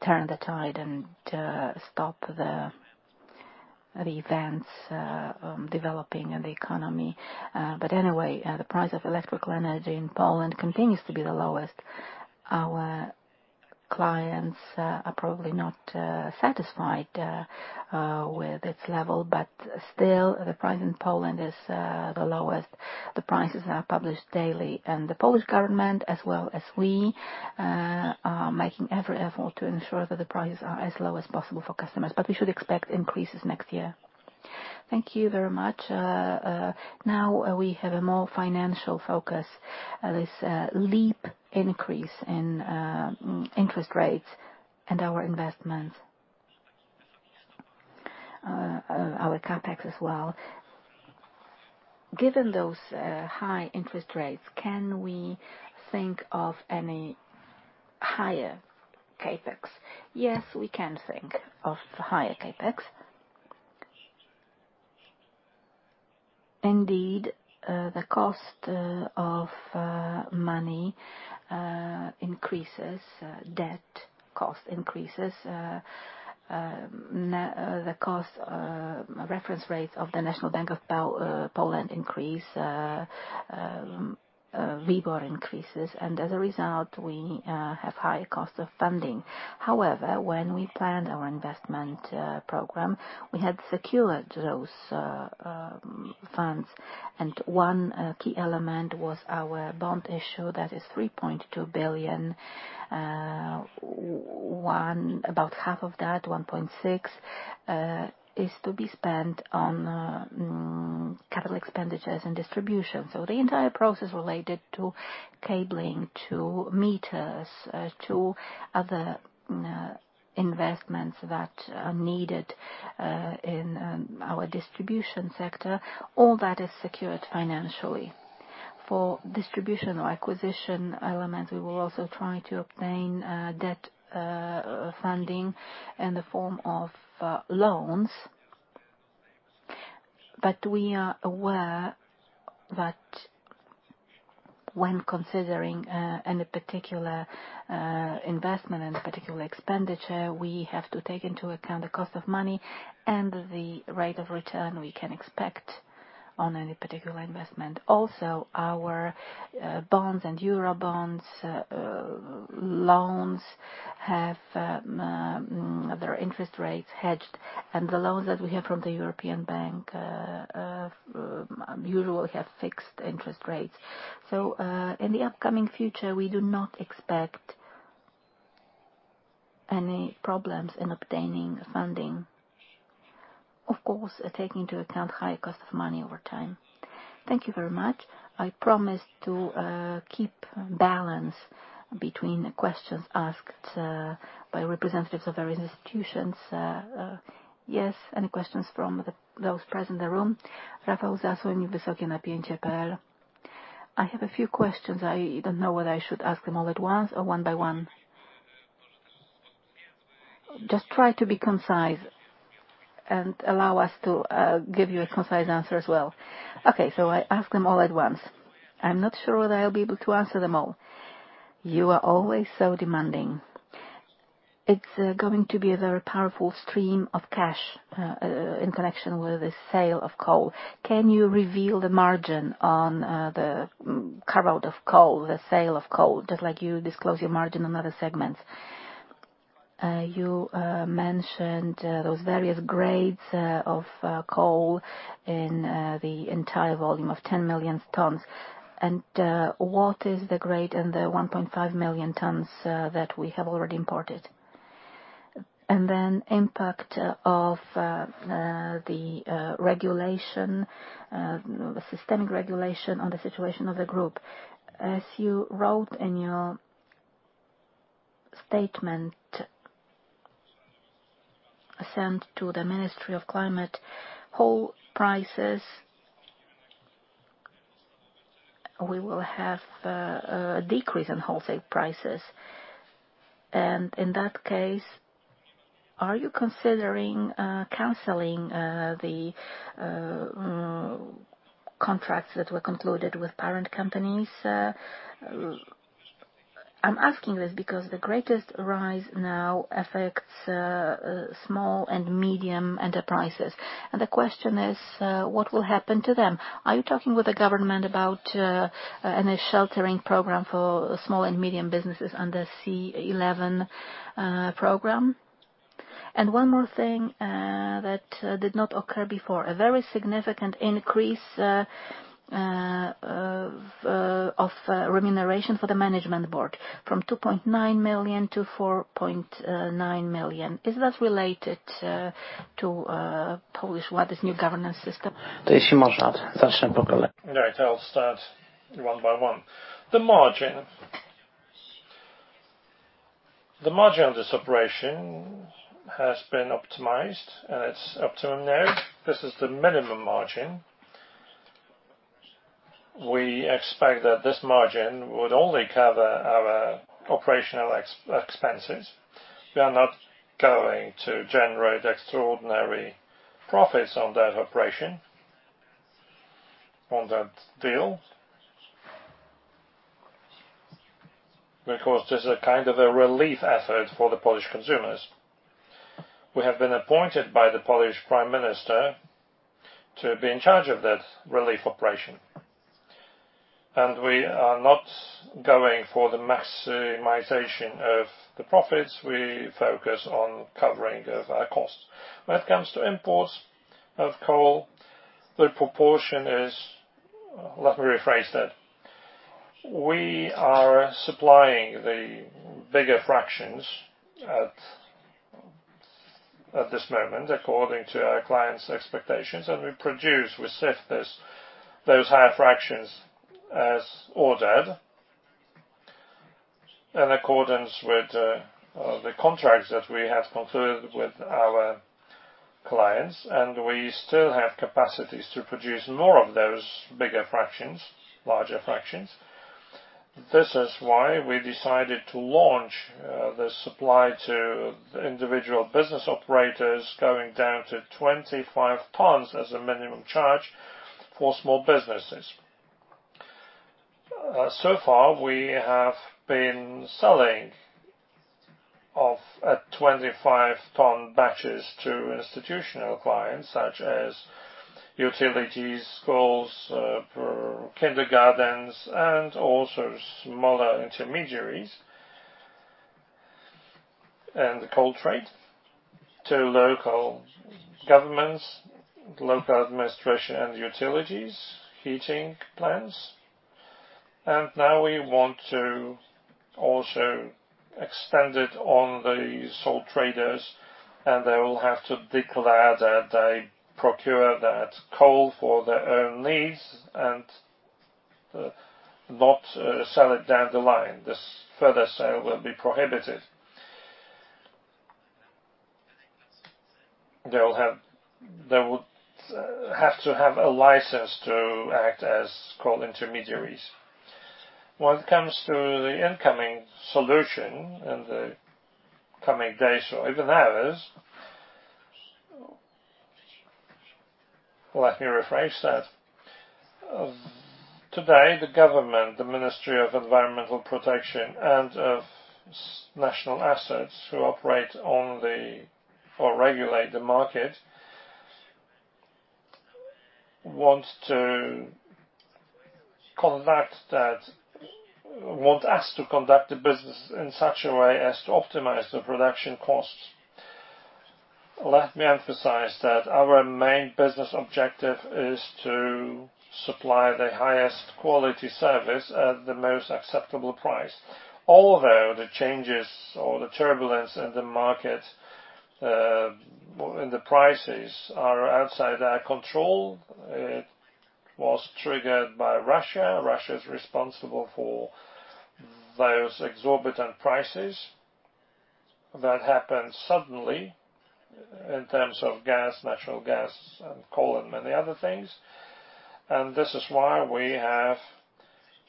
turn the tide and stop the events developing in the economy. Anyway, the price of electrical energy in Poland continues to be the lowest. Our clients are probably not satisfied with its level, but still, the price in Poland is the lowest. The prices are published daily, and the Polish government, as well as we, are making every effort to ensure that the prices are as low as possible for customers. We should expect increases next year. Thank you very much. Now we have a more financial focus. This leap increase in interest rates and our investments, our CapEx as well. Given those high interest rates, can we think of any higher CapEx? Yes, we can think of higher CapEx. Indeed, the cost of money increases, debt cost increases. The cost reference rates of the National Bank of Poland increase, WIBOR increases, and as a result, we have higher cost of funding. However, when we planned our investment program, we had secured those funds, and one key element was our bond issue, that is 3.2 billion. About half of that, 1.6 billion, is to be spent on capital expenditures and distribution. The entire process related to cabling, to meters, to other investments that are needed in our distribution sector, all that is secured financially. For distribution or acquisition elements, we will also try to obtain debt funding in the form of loans. We are aware that when considering any particular investment and particular expenditure, we have to take into account the cost of money and the rate of return we can expect. On any particular investment. Also, our bonds and euro bonds loans have their interest rates hedged, and the loans that we have from the European Investment Bank usually have fixed interest rates. In the upcoming future, we do not expect any problems in obtaining funding. Of course, taking into account higher cost of money over time. Thank you very much. I promise to keep balance between the questions asked by representatives of various institutions. Yes, any questions from those present in the room? I have a few questions. I don't know whether I should ask them all at once or one by one. Just try to be concise and allow us to give you a concise answer as well. Okay. I ask them all at once. I'm not sure that I'll be able to answer them all. You are always so demanding. It's going to be a very powerful stream of cash in connection with the sale of coal. Can you reveal the margin on the carve-out of coal, the sale of coal? Just like you disclose your margin on other segments. You mentioned those various grades of coal in the entire volume of 10 million tons. What is the grade in the 1.5 million tons that we have already imported? Impact of the regulation, the systemic regulation on the situation of the group. As you wrote in your statement sent to the Ministry of Climate and Environment, wholesale prices, we will have a decrease in wholesale prices. In that case, are you considering canceling the contracts that were concluded with parent companies? I'm asking this because the greatest rise now affects small and medium enterprises. The question is, what will happen to them? Are you talking with the government about any sheltering program for small and medium businesses under C11 program? One more thing that did not occur before. A very significant increase of remuneration for the management board from 2.9 million to 4.9 million. Is that related to Polish, what? This new governance system? All right, I'll start one by one. The margin. The margin of this operation has been optimized, and it's optimum now. This is the minimum margin. We expect that this margin would only cover our operational expenses. We are not going to generate extraordinary profits on that operation, on that deal. Because this is a kind of a relief effort for the Polish consumers. We have been appointed by the Polish Prime Minister to be in charge of that relief operation. We are not going for the maximization of the profits. We focus on covering of our costs. When it comes to imports of coal, the proportion is. Let me rephrase that. We are supplying the bigger fractions at this moment, according to our clients expectations, and we produce, we sift those higher fractions as ordered in accordance with the contracts that we have concluded with our clients, and we still have capacities to produce more of those bigger fractions, larger fractions. This is why we decided to launch the supply to individual business operators going down to 25 tons as a minimum charge for small businesses. So far, we have been selling 25-ton batches to institutional clients such as utilities, schools, kindergartens, and also smaller intermediaries and the coal trade to local governments, local administration and utilities, heating plants. Now we want to also extend it on the sole traders, and they will have to declare that they procure that coal for their own needs and not sell it down the line. This further sale will be prohibited. They would have to have a license to act as coal intermediaries. When it comes to the incoming solution in the coming days or even hours. Let me rephrase that. As of today, the government, the Ministry of Climate and Environment and Ministry of State Assets who operate or regulate the market, want us to conduct the business in such a way as to optimize the production costs. Let me emphasize that our main business objective is to supply the highest quality service at the most acceptable price. Although the changes or the turbulence in the market, when the prices are outside our control, it was triggered by Russia. Russia is responsible for those exorbitant prices that happened suddenly in terms of gas, natural gas and coal, and many other things. This is why we have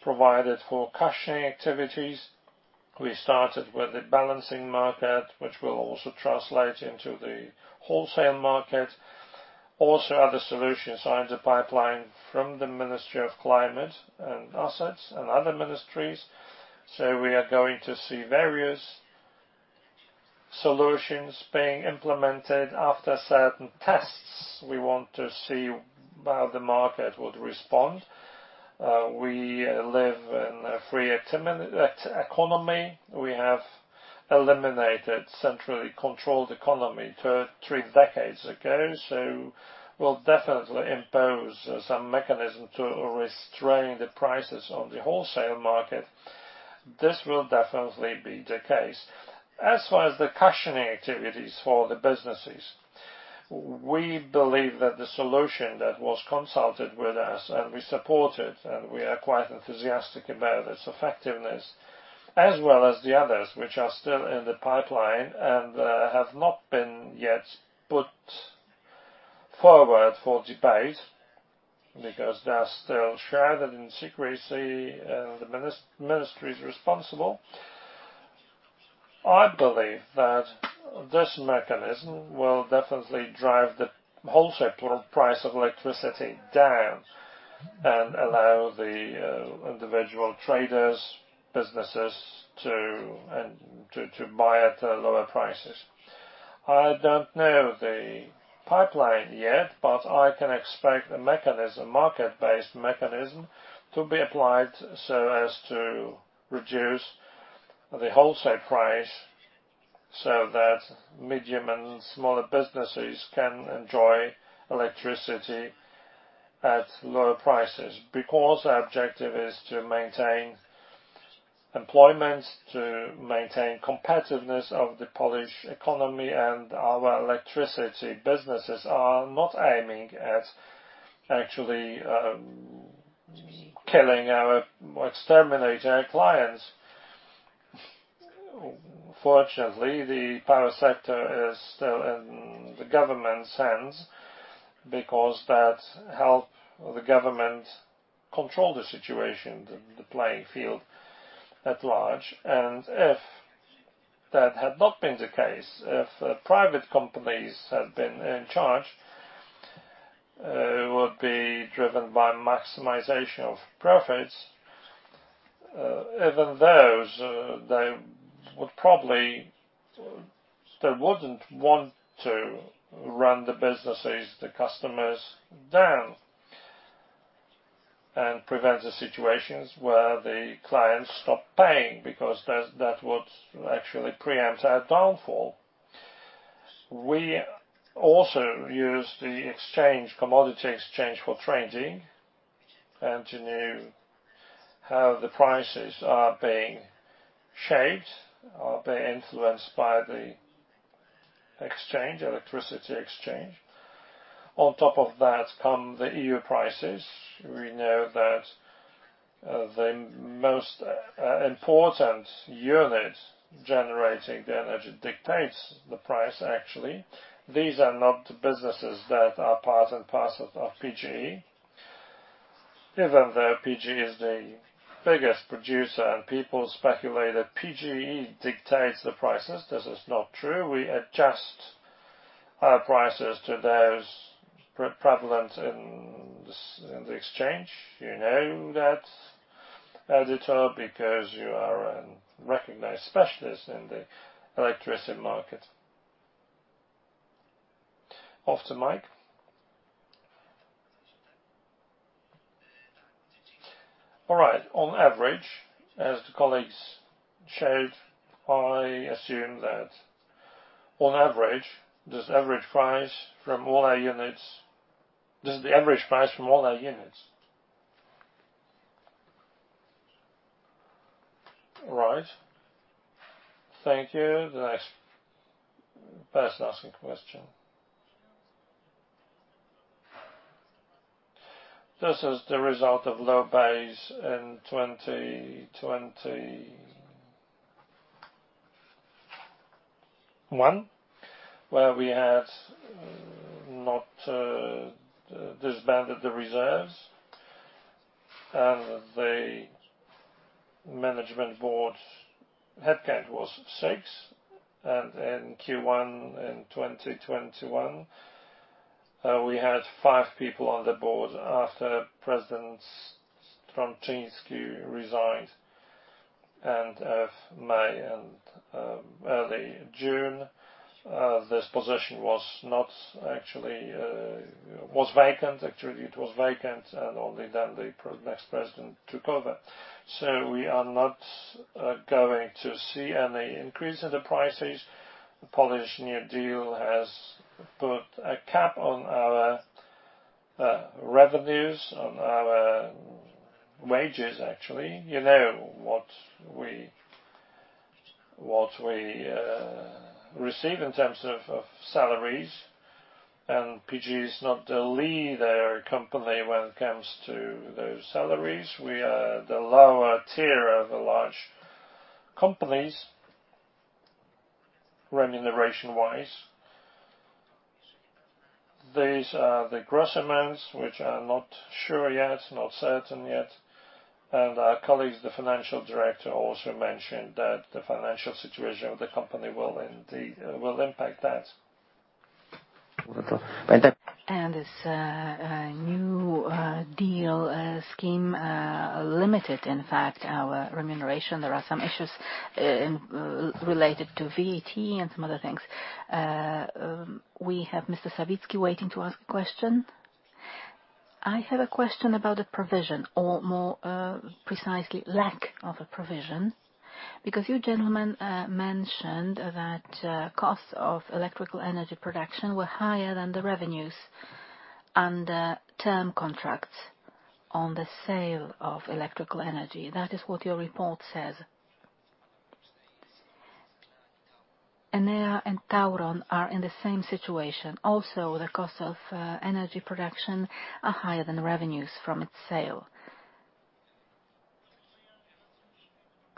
provided for cushioning activities. We started with the balancing market, which will also translate into the wholesale market. Also, other solutions are in the pipeline from the Ministry of Climate and Assets and other ministries. We are going to see various solutions being implemented after certain tests. We want to see how the market would respond. We live in a free economy. We have eliminated centrally controlled economy three decades ago, so we'll definitely impose some mechanism to restrain the prices on the wholesale market. This will definitely be the case. As far as the cushioning activities for the businesses, we believe that the solution that was consulted with us, and we support it, and we are quite enthusiastic about its effectiveness, as well as the others, which are still in the pipeline and have not been yet put forward for debate because they are still shrouded in secrecy in the ministries responsible. I believe that this mechanism will definitely drive the wholesale price of electricity down and allow the individual traders, businesses to buy at lower prices. I don't know the pipeline yet, but I can expect a mechanism, market-based mechanism, to be applied so as to reduce the wholesale price, so that medium and smaller businesses can enjoy electricity at lower prices. Because our objective is to maintain employment, to maintain competitiveness of the Polish economy, and our electricity businesses are not aiming at actually killing our or exterminating our clients. Fortunately, the power sector is still in the government's hands because that help the government control the situation, the playing field at large. If that had not been the case, private companies had been in charge, it would be driven by maximization of profits. Even those, they wouldn't want to run the businesses, the customers down, and prevent the situations where the clients stop paying because that would actually preempt our downfall. We also use the exchange, commodity exchange for trading and to know how the prices are being shaped, are being influenced by the exchange, electricity exchange. On top of that come the EU prices. We know that the most important unit generating the energy dictates the price actually. These are not businesses that are part and parcel of PGE. Even though PGE is the biggest producer, and people speculate that PGE dictates the prices, this is not true. We adjust our prices to those prevalent in the exchange. You know that, editor, because you are recognized specialist in the electricity market. Off the mic. All right. On average, as the colleagues shared, I assume that on average, this average price from all our units. This is the average price from all our units. All right. Thank you. The next person asking question. This is the result of low base in 2021, where we had not disbanded the reserves. The Management board headcount was six, and in Q1 in 2021, we had five people on the board after President Strączyński resigned. End of May and early June, this position was vacant. Actually, it was vacant, and only then the next president took over. We are not going to see any increase in the prices. The Polish Deal has put a cap on our revenues, on our wages, actually. You know what we receive in terms of salaries. PGE is not the leader company when it comes to those salaries. We are the lower tier of the large companies remuneration-wise. These are the gross amounts, which are not sure yet, not certain yet. Our colleagues, the financial director, also mentioned that the financial situation of the company will indeed impact that. This Polish Deal scheme limited, in fact, our remuneration. There are some issues related to VAT and some other things. We have Mr. Sawicki waiting to ask a question. I have a question about the provision, or more precisely, lack of a provision, because you gentlemen mentioned that costs of electrical energy production were higher than the revenues under term contracts on the sale of electrical energy. That is what your report says. Enea and Tauron are in the same situation. Also, the cost of energy production are higher than revenues from its sale.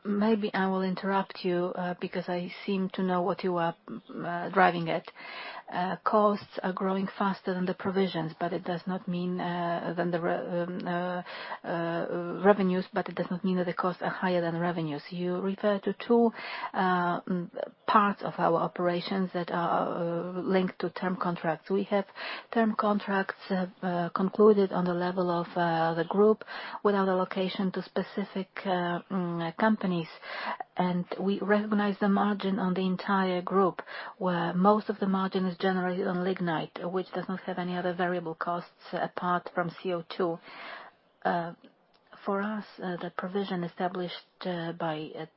Maybe I will interrupt you, because I seem to know what you are driving at. Costs are growing faster than the provisions, but it does not mean than the revenues, but it does not mean that the costs are higher than the revenues. You refer to two parts of our operations that are linked to term contracts. We have term contracts concluded on the level of the group without allocation to specific companies. We recognize the margin on the entire group, where most of the margin is generated on lignite, which does not have any other variable costs apart from CO₂. For us, the provision established by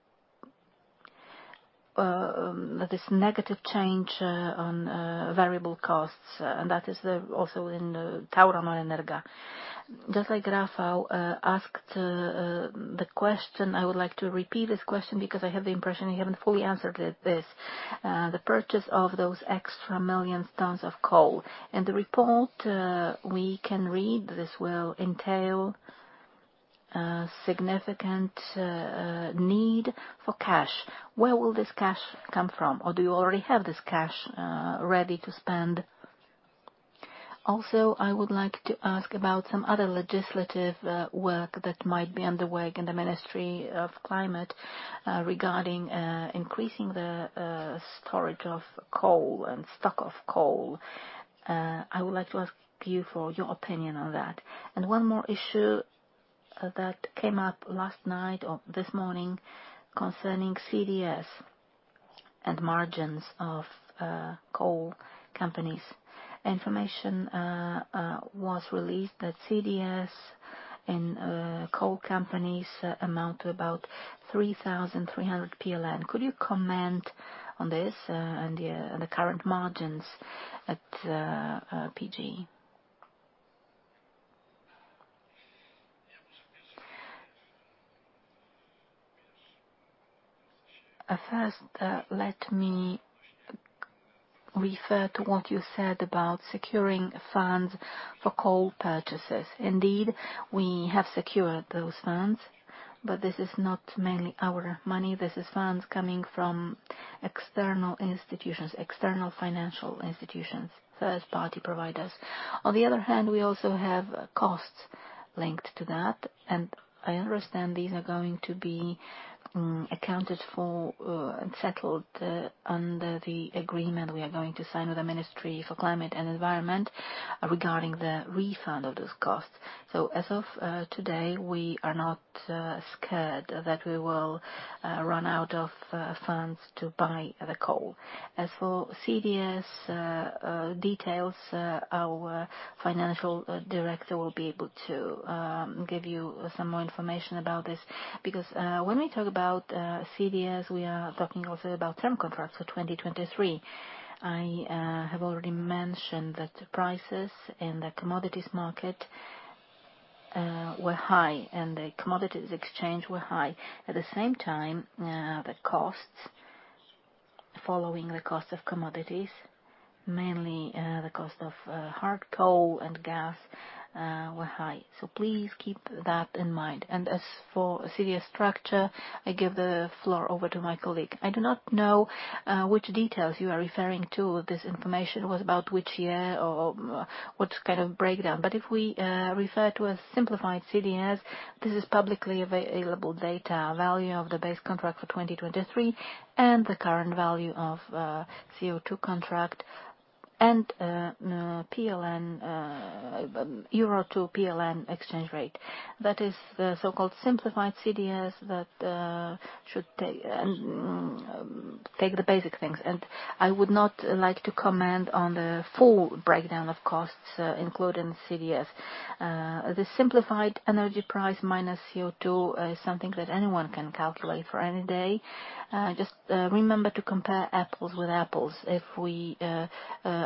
this negative change on variable costs, and that is also in the Tauron and Energa. Just like Rafał asked the question, I would like to repeat this question because I have the impression you haven't fully answered it. The purchase of those extra 1 million tons of coal. In the report, we can read this will entail a significant need for cash. Where will this cash come from, or do you already have this cash ready to spend? Also, I would like to ask about some other legislative work that might be underway in the Ministry of Climate regarding increasing the storage of coal and stock of coal. I would like to ask you for your opinion on that. One more issue that came up last night or this morning concerning CDS and margins of coal companies. Information was released that CDS in coal companies amount to about 3,300 PLN. Could you comment on this, and the current margins at PGE? First, let me refer to what you said about securing funds for coal purchases. Indeed, we have secured those funds, but this is not mainly our money. This is funds coming from external institutions, external financial institutions, third-party providers. On the other hand, we also have costs linked to that, and I understand these are going to be accounted for and settled under the agreement we are going to sign with the Ministry of Climate and Environment regarding the refund of those costs. As of today, we are not scared that we will run out of funds to buy the coal. As for CDS details, our financial director will be able to give you some more information about this. Because when we talk about CDS, we are talking also about term contracts for 2023. I have already mentioned that the prices in the commodities market were high and the commodities exchange were high. At the same time, the costs following the cost of commodities, mainly the cost of hard coal and gas were high. Please keep that in mind. As for CDS structure, I give the floor over to my colleague. I do not know which details you are referring to. This information was about which year or what kind of breakdown. If we refer to a simplified CDS, this is publicly available data, value of the base contract for 2023, and the current value of CO₂ contract and PLN, euro to PLN exchange rate. That is the so-called simplified CDS that should take the basic things. I would not like to comment on the full breakdown of costs, including CDS. The simplified energy price minus CO₂ is something that anyone can calculate for any day. Just remember to compare apples with apples. If we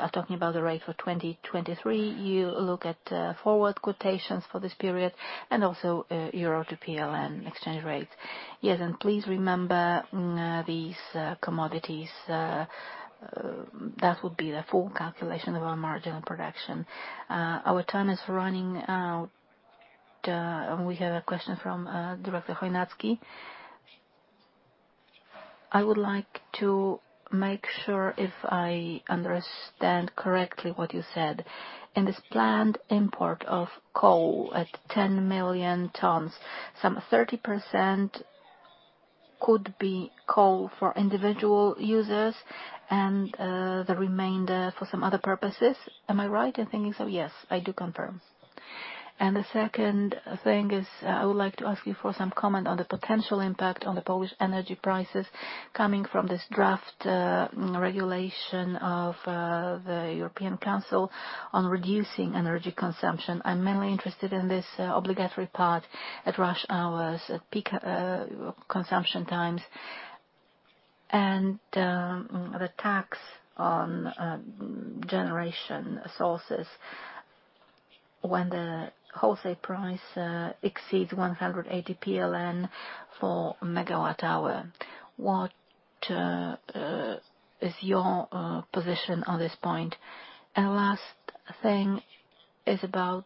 are talking about the rate for 2023, you look at forward quotations for this period and also euro to PLN exchange rate. Yes, please remember these commodities that would be the full calculation of our marginal production. Our time is running out. We have a question from Director Chojnacki. I would like to make sure if I understand correctly what you said. In this planned import of coal at 10 million tons, some 30% could be coal for individual users and the remainder for some other purposes. Am I right in thinking so? Yes, I do confirm. The second thing is, I would like to ask you for some comment on the potential impact on the Polish energy prices coming from this draft regulation of the Council of the European Union on reducing energy consumption. I'm mainly interested in this obligatory part at rush hours, at peak consumption times, and the tax on generation sources when the wholesale price exceeds PLN 180 per MWh. What is your position on this point? Last thing is about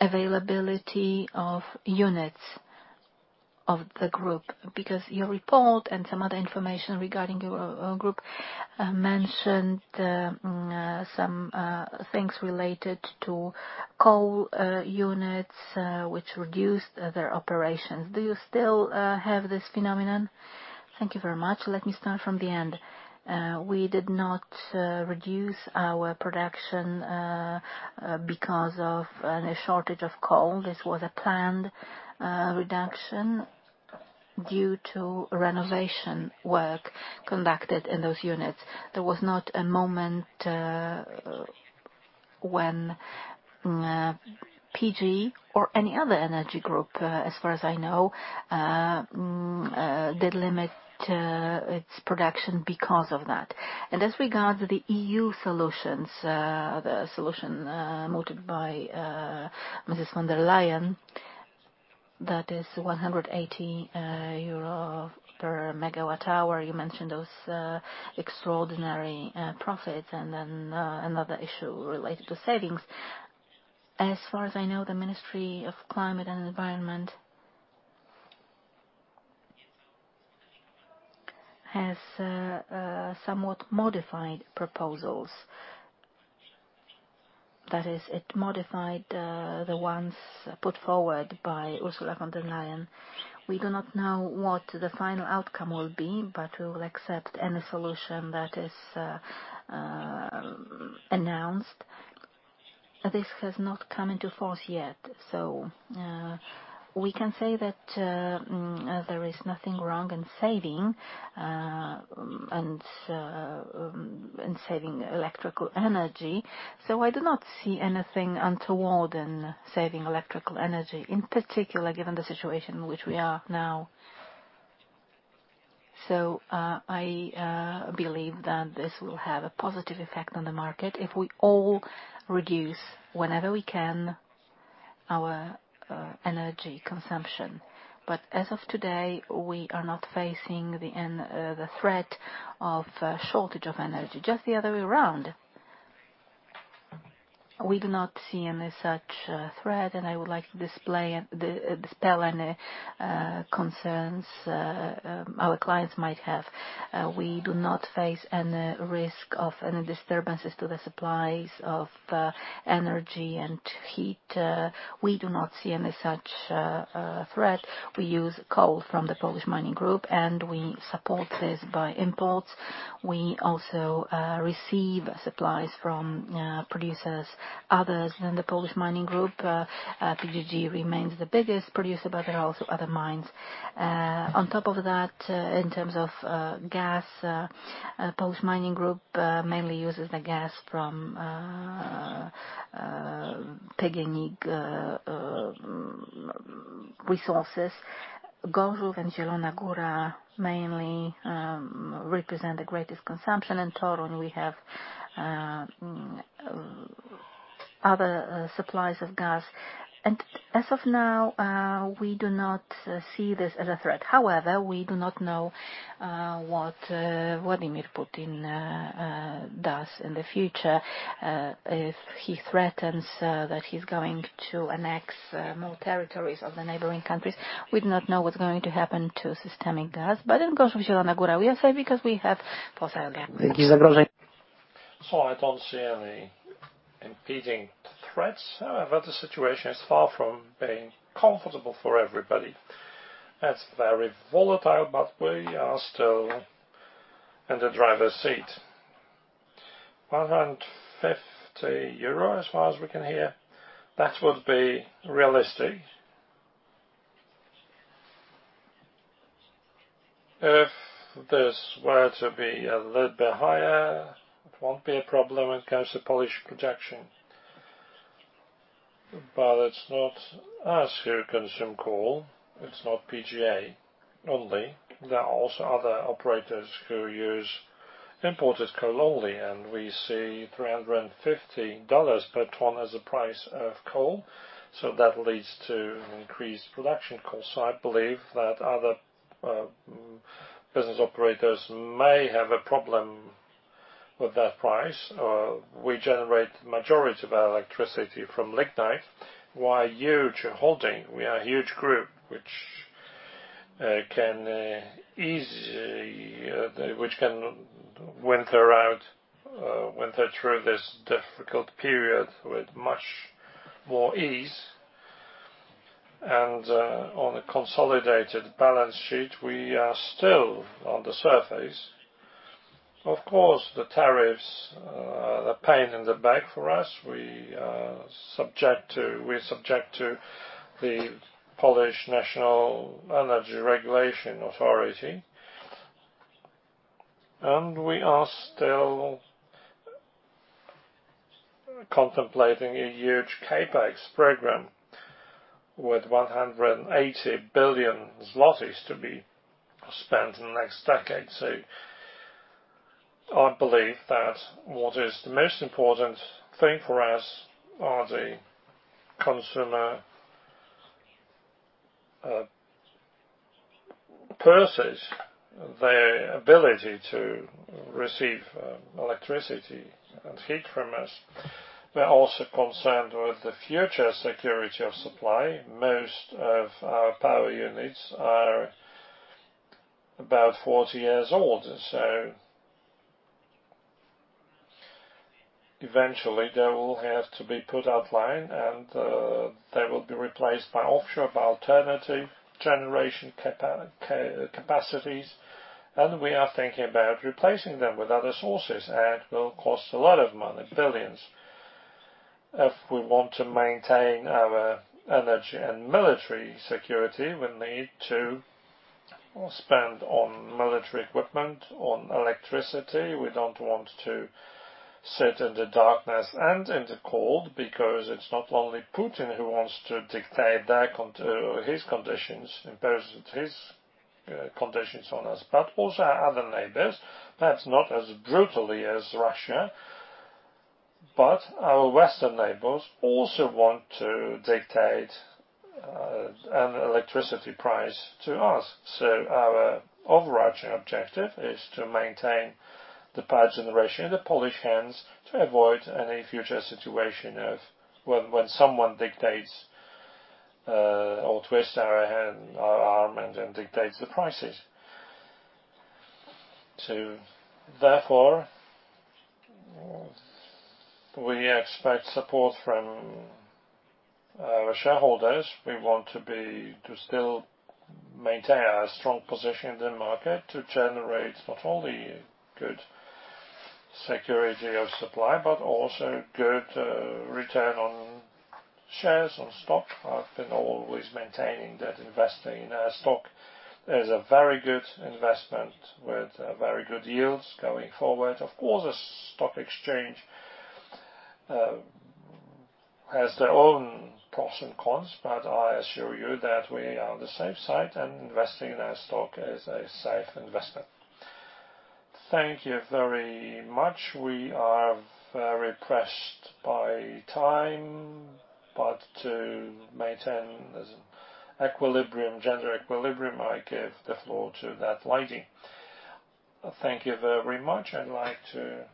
availability of units of the group, because your report and some other information regarding your group mentioned some things related to coal units which reduced their operations. Do you still have this phenomenon? Thank you very much. Let me start from the end. We did not reduce our production because of a shortage of coal. This was a planned reduction due to renovation work conducted in those units. There was not a moment when PGE or any other energy group, as far as I know, did limit its production because of that. As regards the EU solutions, the solution mooted by Mrs. von der Leyen, that is 180 euro per MWh. You mentioned those extraordinary profits and then another issue related to savings. As far as I know, the Ministry of Climate and Environment has somewhat modified proposals. That is, it modified the ones put forward by Ursula von der Leyen. We do not know what the final outcome will be, but we will accept any solution that is announced. This has not come into force yet, so we can say that there is nothing wrong in saving electrical energy. I do not see anything untoward in saving electrical energy, in particular, given the situation in which we are now. I believe that this will have a positive effect on the market if we all reduce, whenever we can, our energy consumption. As of today, we are not facing the end, the threat of shortage of energy, just the other way around. We do not see any such threat, and I would like to dispel any concerns our clients might have. We do not face any risk of any disturbances to the supplies of energy and heat. We do not see any such threat. We use coal from the Polish Mining Group, and we support this by imports. We also receive supplies from producers other than the Polish Mining Group. PGG remains the biggest producer, but there are also other mines. On top of that, in terms of gas, Polish Mining Group mainly uses the gas from PGNiG resources. Gorzów and Zielona Góra mainly represent the greatest consumption. In Toruń, we have other supplies of gas. As of now, we do not see this as a threat. However, we do not know what Vladimir Putin does in the future. If he threatens that he's going to annex more territories of the neighboring countries, we do not know what's going to happen to system gas. In case of Zielona Góra, we are safe because we have fossil gas. Thank you. I don't see any impending threats. However, the situation is far from being comfortable for everybody. It's very volatile, but we are still in the driver's seat. 150 euro, as far as we can hear, that would be realistic. If this were to be a little bit higher, it won't be a problem when it comes to Polish production. It's not us who consume coal, it's not PGE only. There are also other operators who use imported coal only, and we see $350 per ton as a price of coal. That leads to increased production cost. I believe that other business operators may have a problem with that price. We generate majority of our electricity from lignite. We are a huge holding. We are a huge group which can weather through this difficult period with much more ease. On a consolidated balance sheet, we are still on the surface. Of course, the tariffs are a pain in the back for us. We are subject to the Polish Energy Regulatory Office. We are still contemplating a huge CapEx program with 180 billion zlotys to be spent in the next decade. I believe that what is the most important thing for us are the consumers' purses, their ability to receive electricity and heat from us. We're also concerned with the future security of supply. Most of our power units are about 40 years old. They will have to be put offline, and they will be replaced by offshore, by alternative generation capacities. We are thinking about replacing them with other sources, and it will cost a lot of money, billions. If we want to maintain our energy and military security, we need to spend on military equipment, on electricity. We don't want to sit in the darkness and in the cold because it's not only Putin who wants to dictate his conditions, imposes his conditions on us, but also our other neighbors. Perhaps not as brutally as Russia, but our Western neighbors also want to dictate an electricity price to us. Our overarching objective is to maintain the power generation in Polish hands to avoid any future situation of when someone dictates or twists our hand, our arm, and dictates the prices. Therefore, we expect support from our shareholders. We want to still maintain our strong position in the market to generate not only good security of supply, but also good return on shares, on stock. I've been always maintaining that investing in our stock is a very good investment with very good yields going forward. Of course, the stock exchange has their own pros and cons, but I assure you that we are on the safe side, and investing in our stock is a safe investment. Thank you very much. We are very pressed by time. To maintain this equilibrium, gender equilibrium, I give the floor to that lady. Thank you very much. I'd like to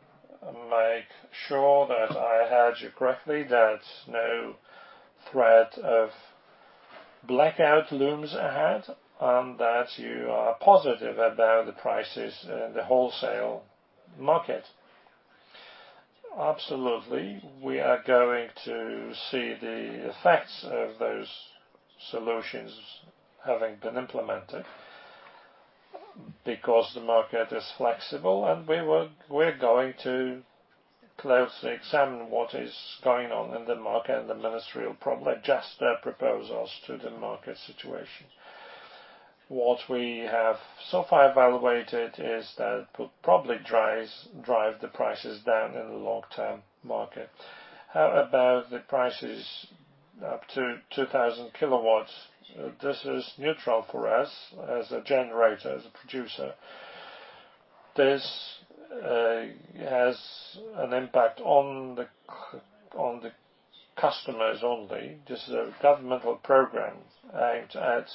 make sure that I heard you correctly, that no threat of blackout looms ahead, and that you are positive about the prices in the wholesale market. Absolutely. We are going to see the effects of those solutions having been implemented because the market is flexible, and we're going to closely examine what is going on in the market, and the ministry will probably adjust their proposals to the market situation. What we have so far evaluated is that it will probably drive the prices down in the long-term market. How about the prices up to 2,000 kW? This is neutral for us as a generator, as a producer. This has an impact on the customers only. This is a governmental program aimed at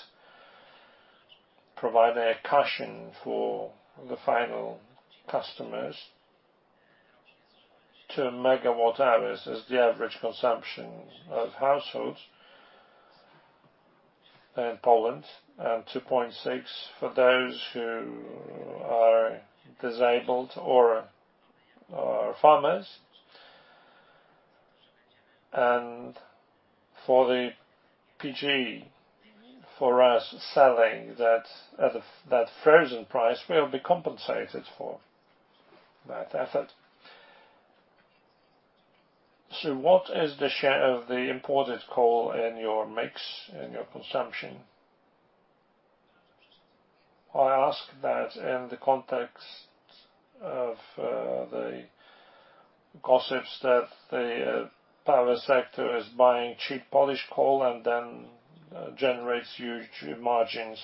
providing a cushion for the final customers. 2 MWh is the average consumption of households in Poland, and 2.6 MWh for those who are disabled or are farmers. For the PGE, for us selling that at that frozen price, we'll be compensated for that effort. What is the share of the imported coal in your mix, in your consumption? I ask that in the context of the gossip that the power sector is buying cheap Polish coal and then generates huge margins.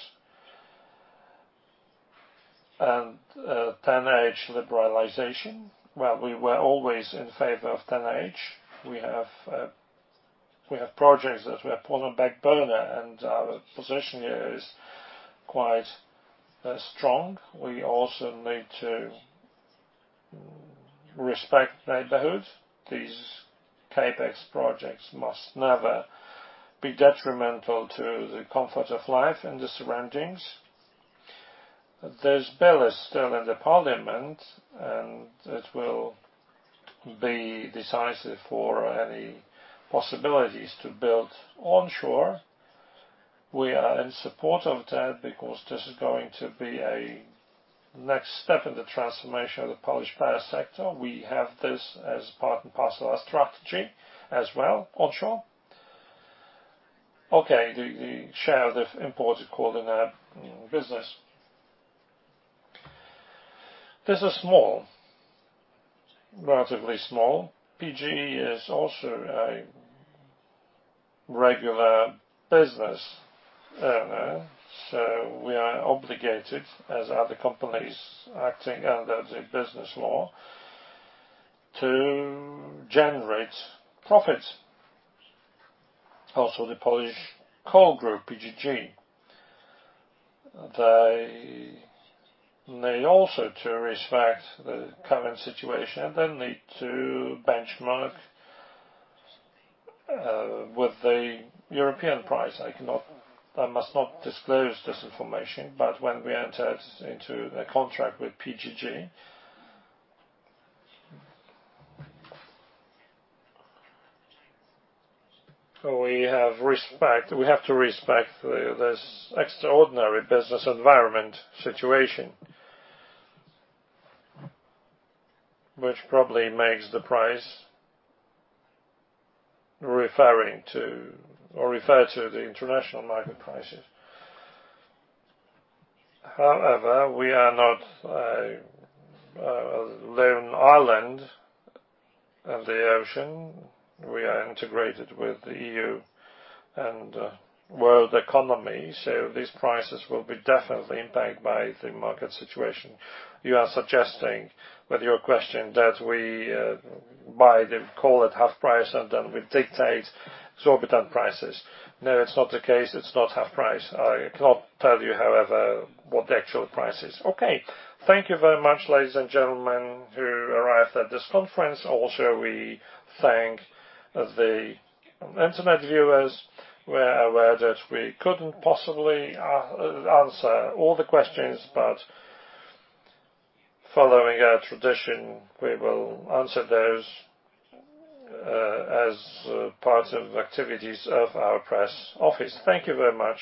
10H liberalization, well, we were always in favor of 10H. We have projects that we have put on the back burner and our position here is quite strong. We also need to respect neighborhoods. These CapEx projects must never be detrimental to the comfort of life and the surroundings. This bill is still in the parliament, and it will be decisive for any possibilities to build onshore. We are in support of that because this is going to be a next step in the transformation of the Polish power sector. We have this as part and parcel of our strategy as well, onshore. Okay, the share of the imported coal in our business. This is small, relatively small. PGE is also a regular business earner, so we are obligated, as are the companies acting under the business law, to generate profit. The Polish Mining Group, PGG, they need also to respect the current situation, and they need to benchmark with the European price. I cannot. I must not disclose this information, but when we entered into the contract with PGG, we have respect, we have to respect this extraordinary business environment situation Which probably makes the price refer to the international market prices. However, we are not living on an island in the ocean. We are integrated with the EU and world economy, so these prices will definitely be impacted by the market situation. You are suggesting with your question that we buy the coal at half price, and then we dictate exorbitant prices. No, it's not the case. It's not half price. I cannot tell you, however, what the actual price is. Okay. Thank you very much, ladies and gentlemen who arrived at this conference. Also, we thank the internet viewers. We're aware that we couldn't possibly answer all the questions, but following our tradition, we will answer those as part of activities of our press office. Thank you very much.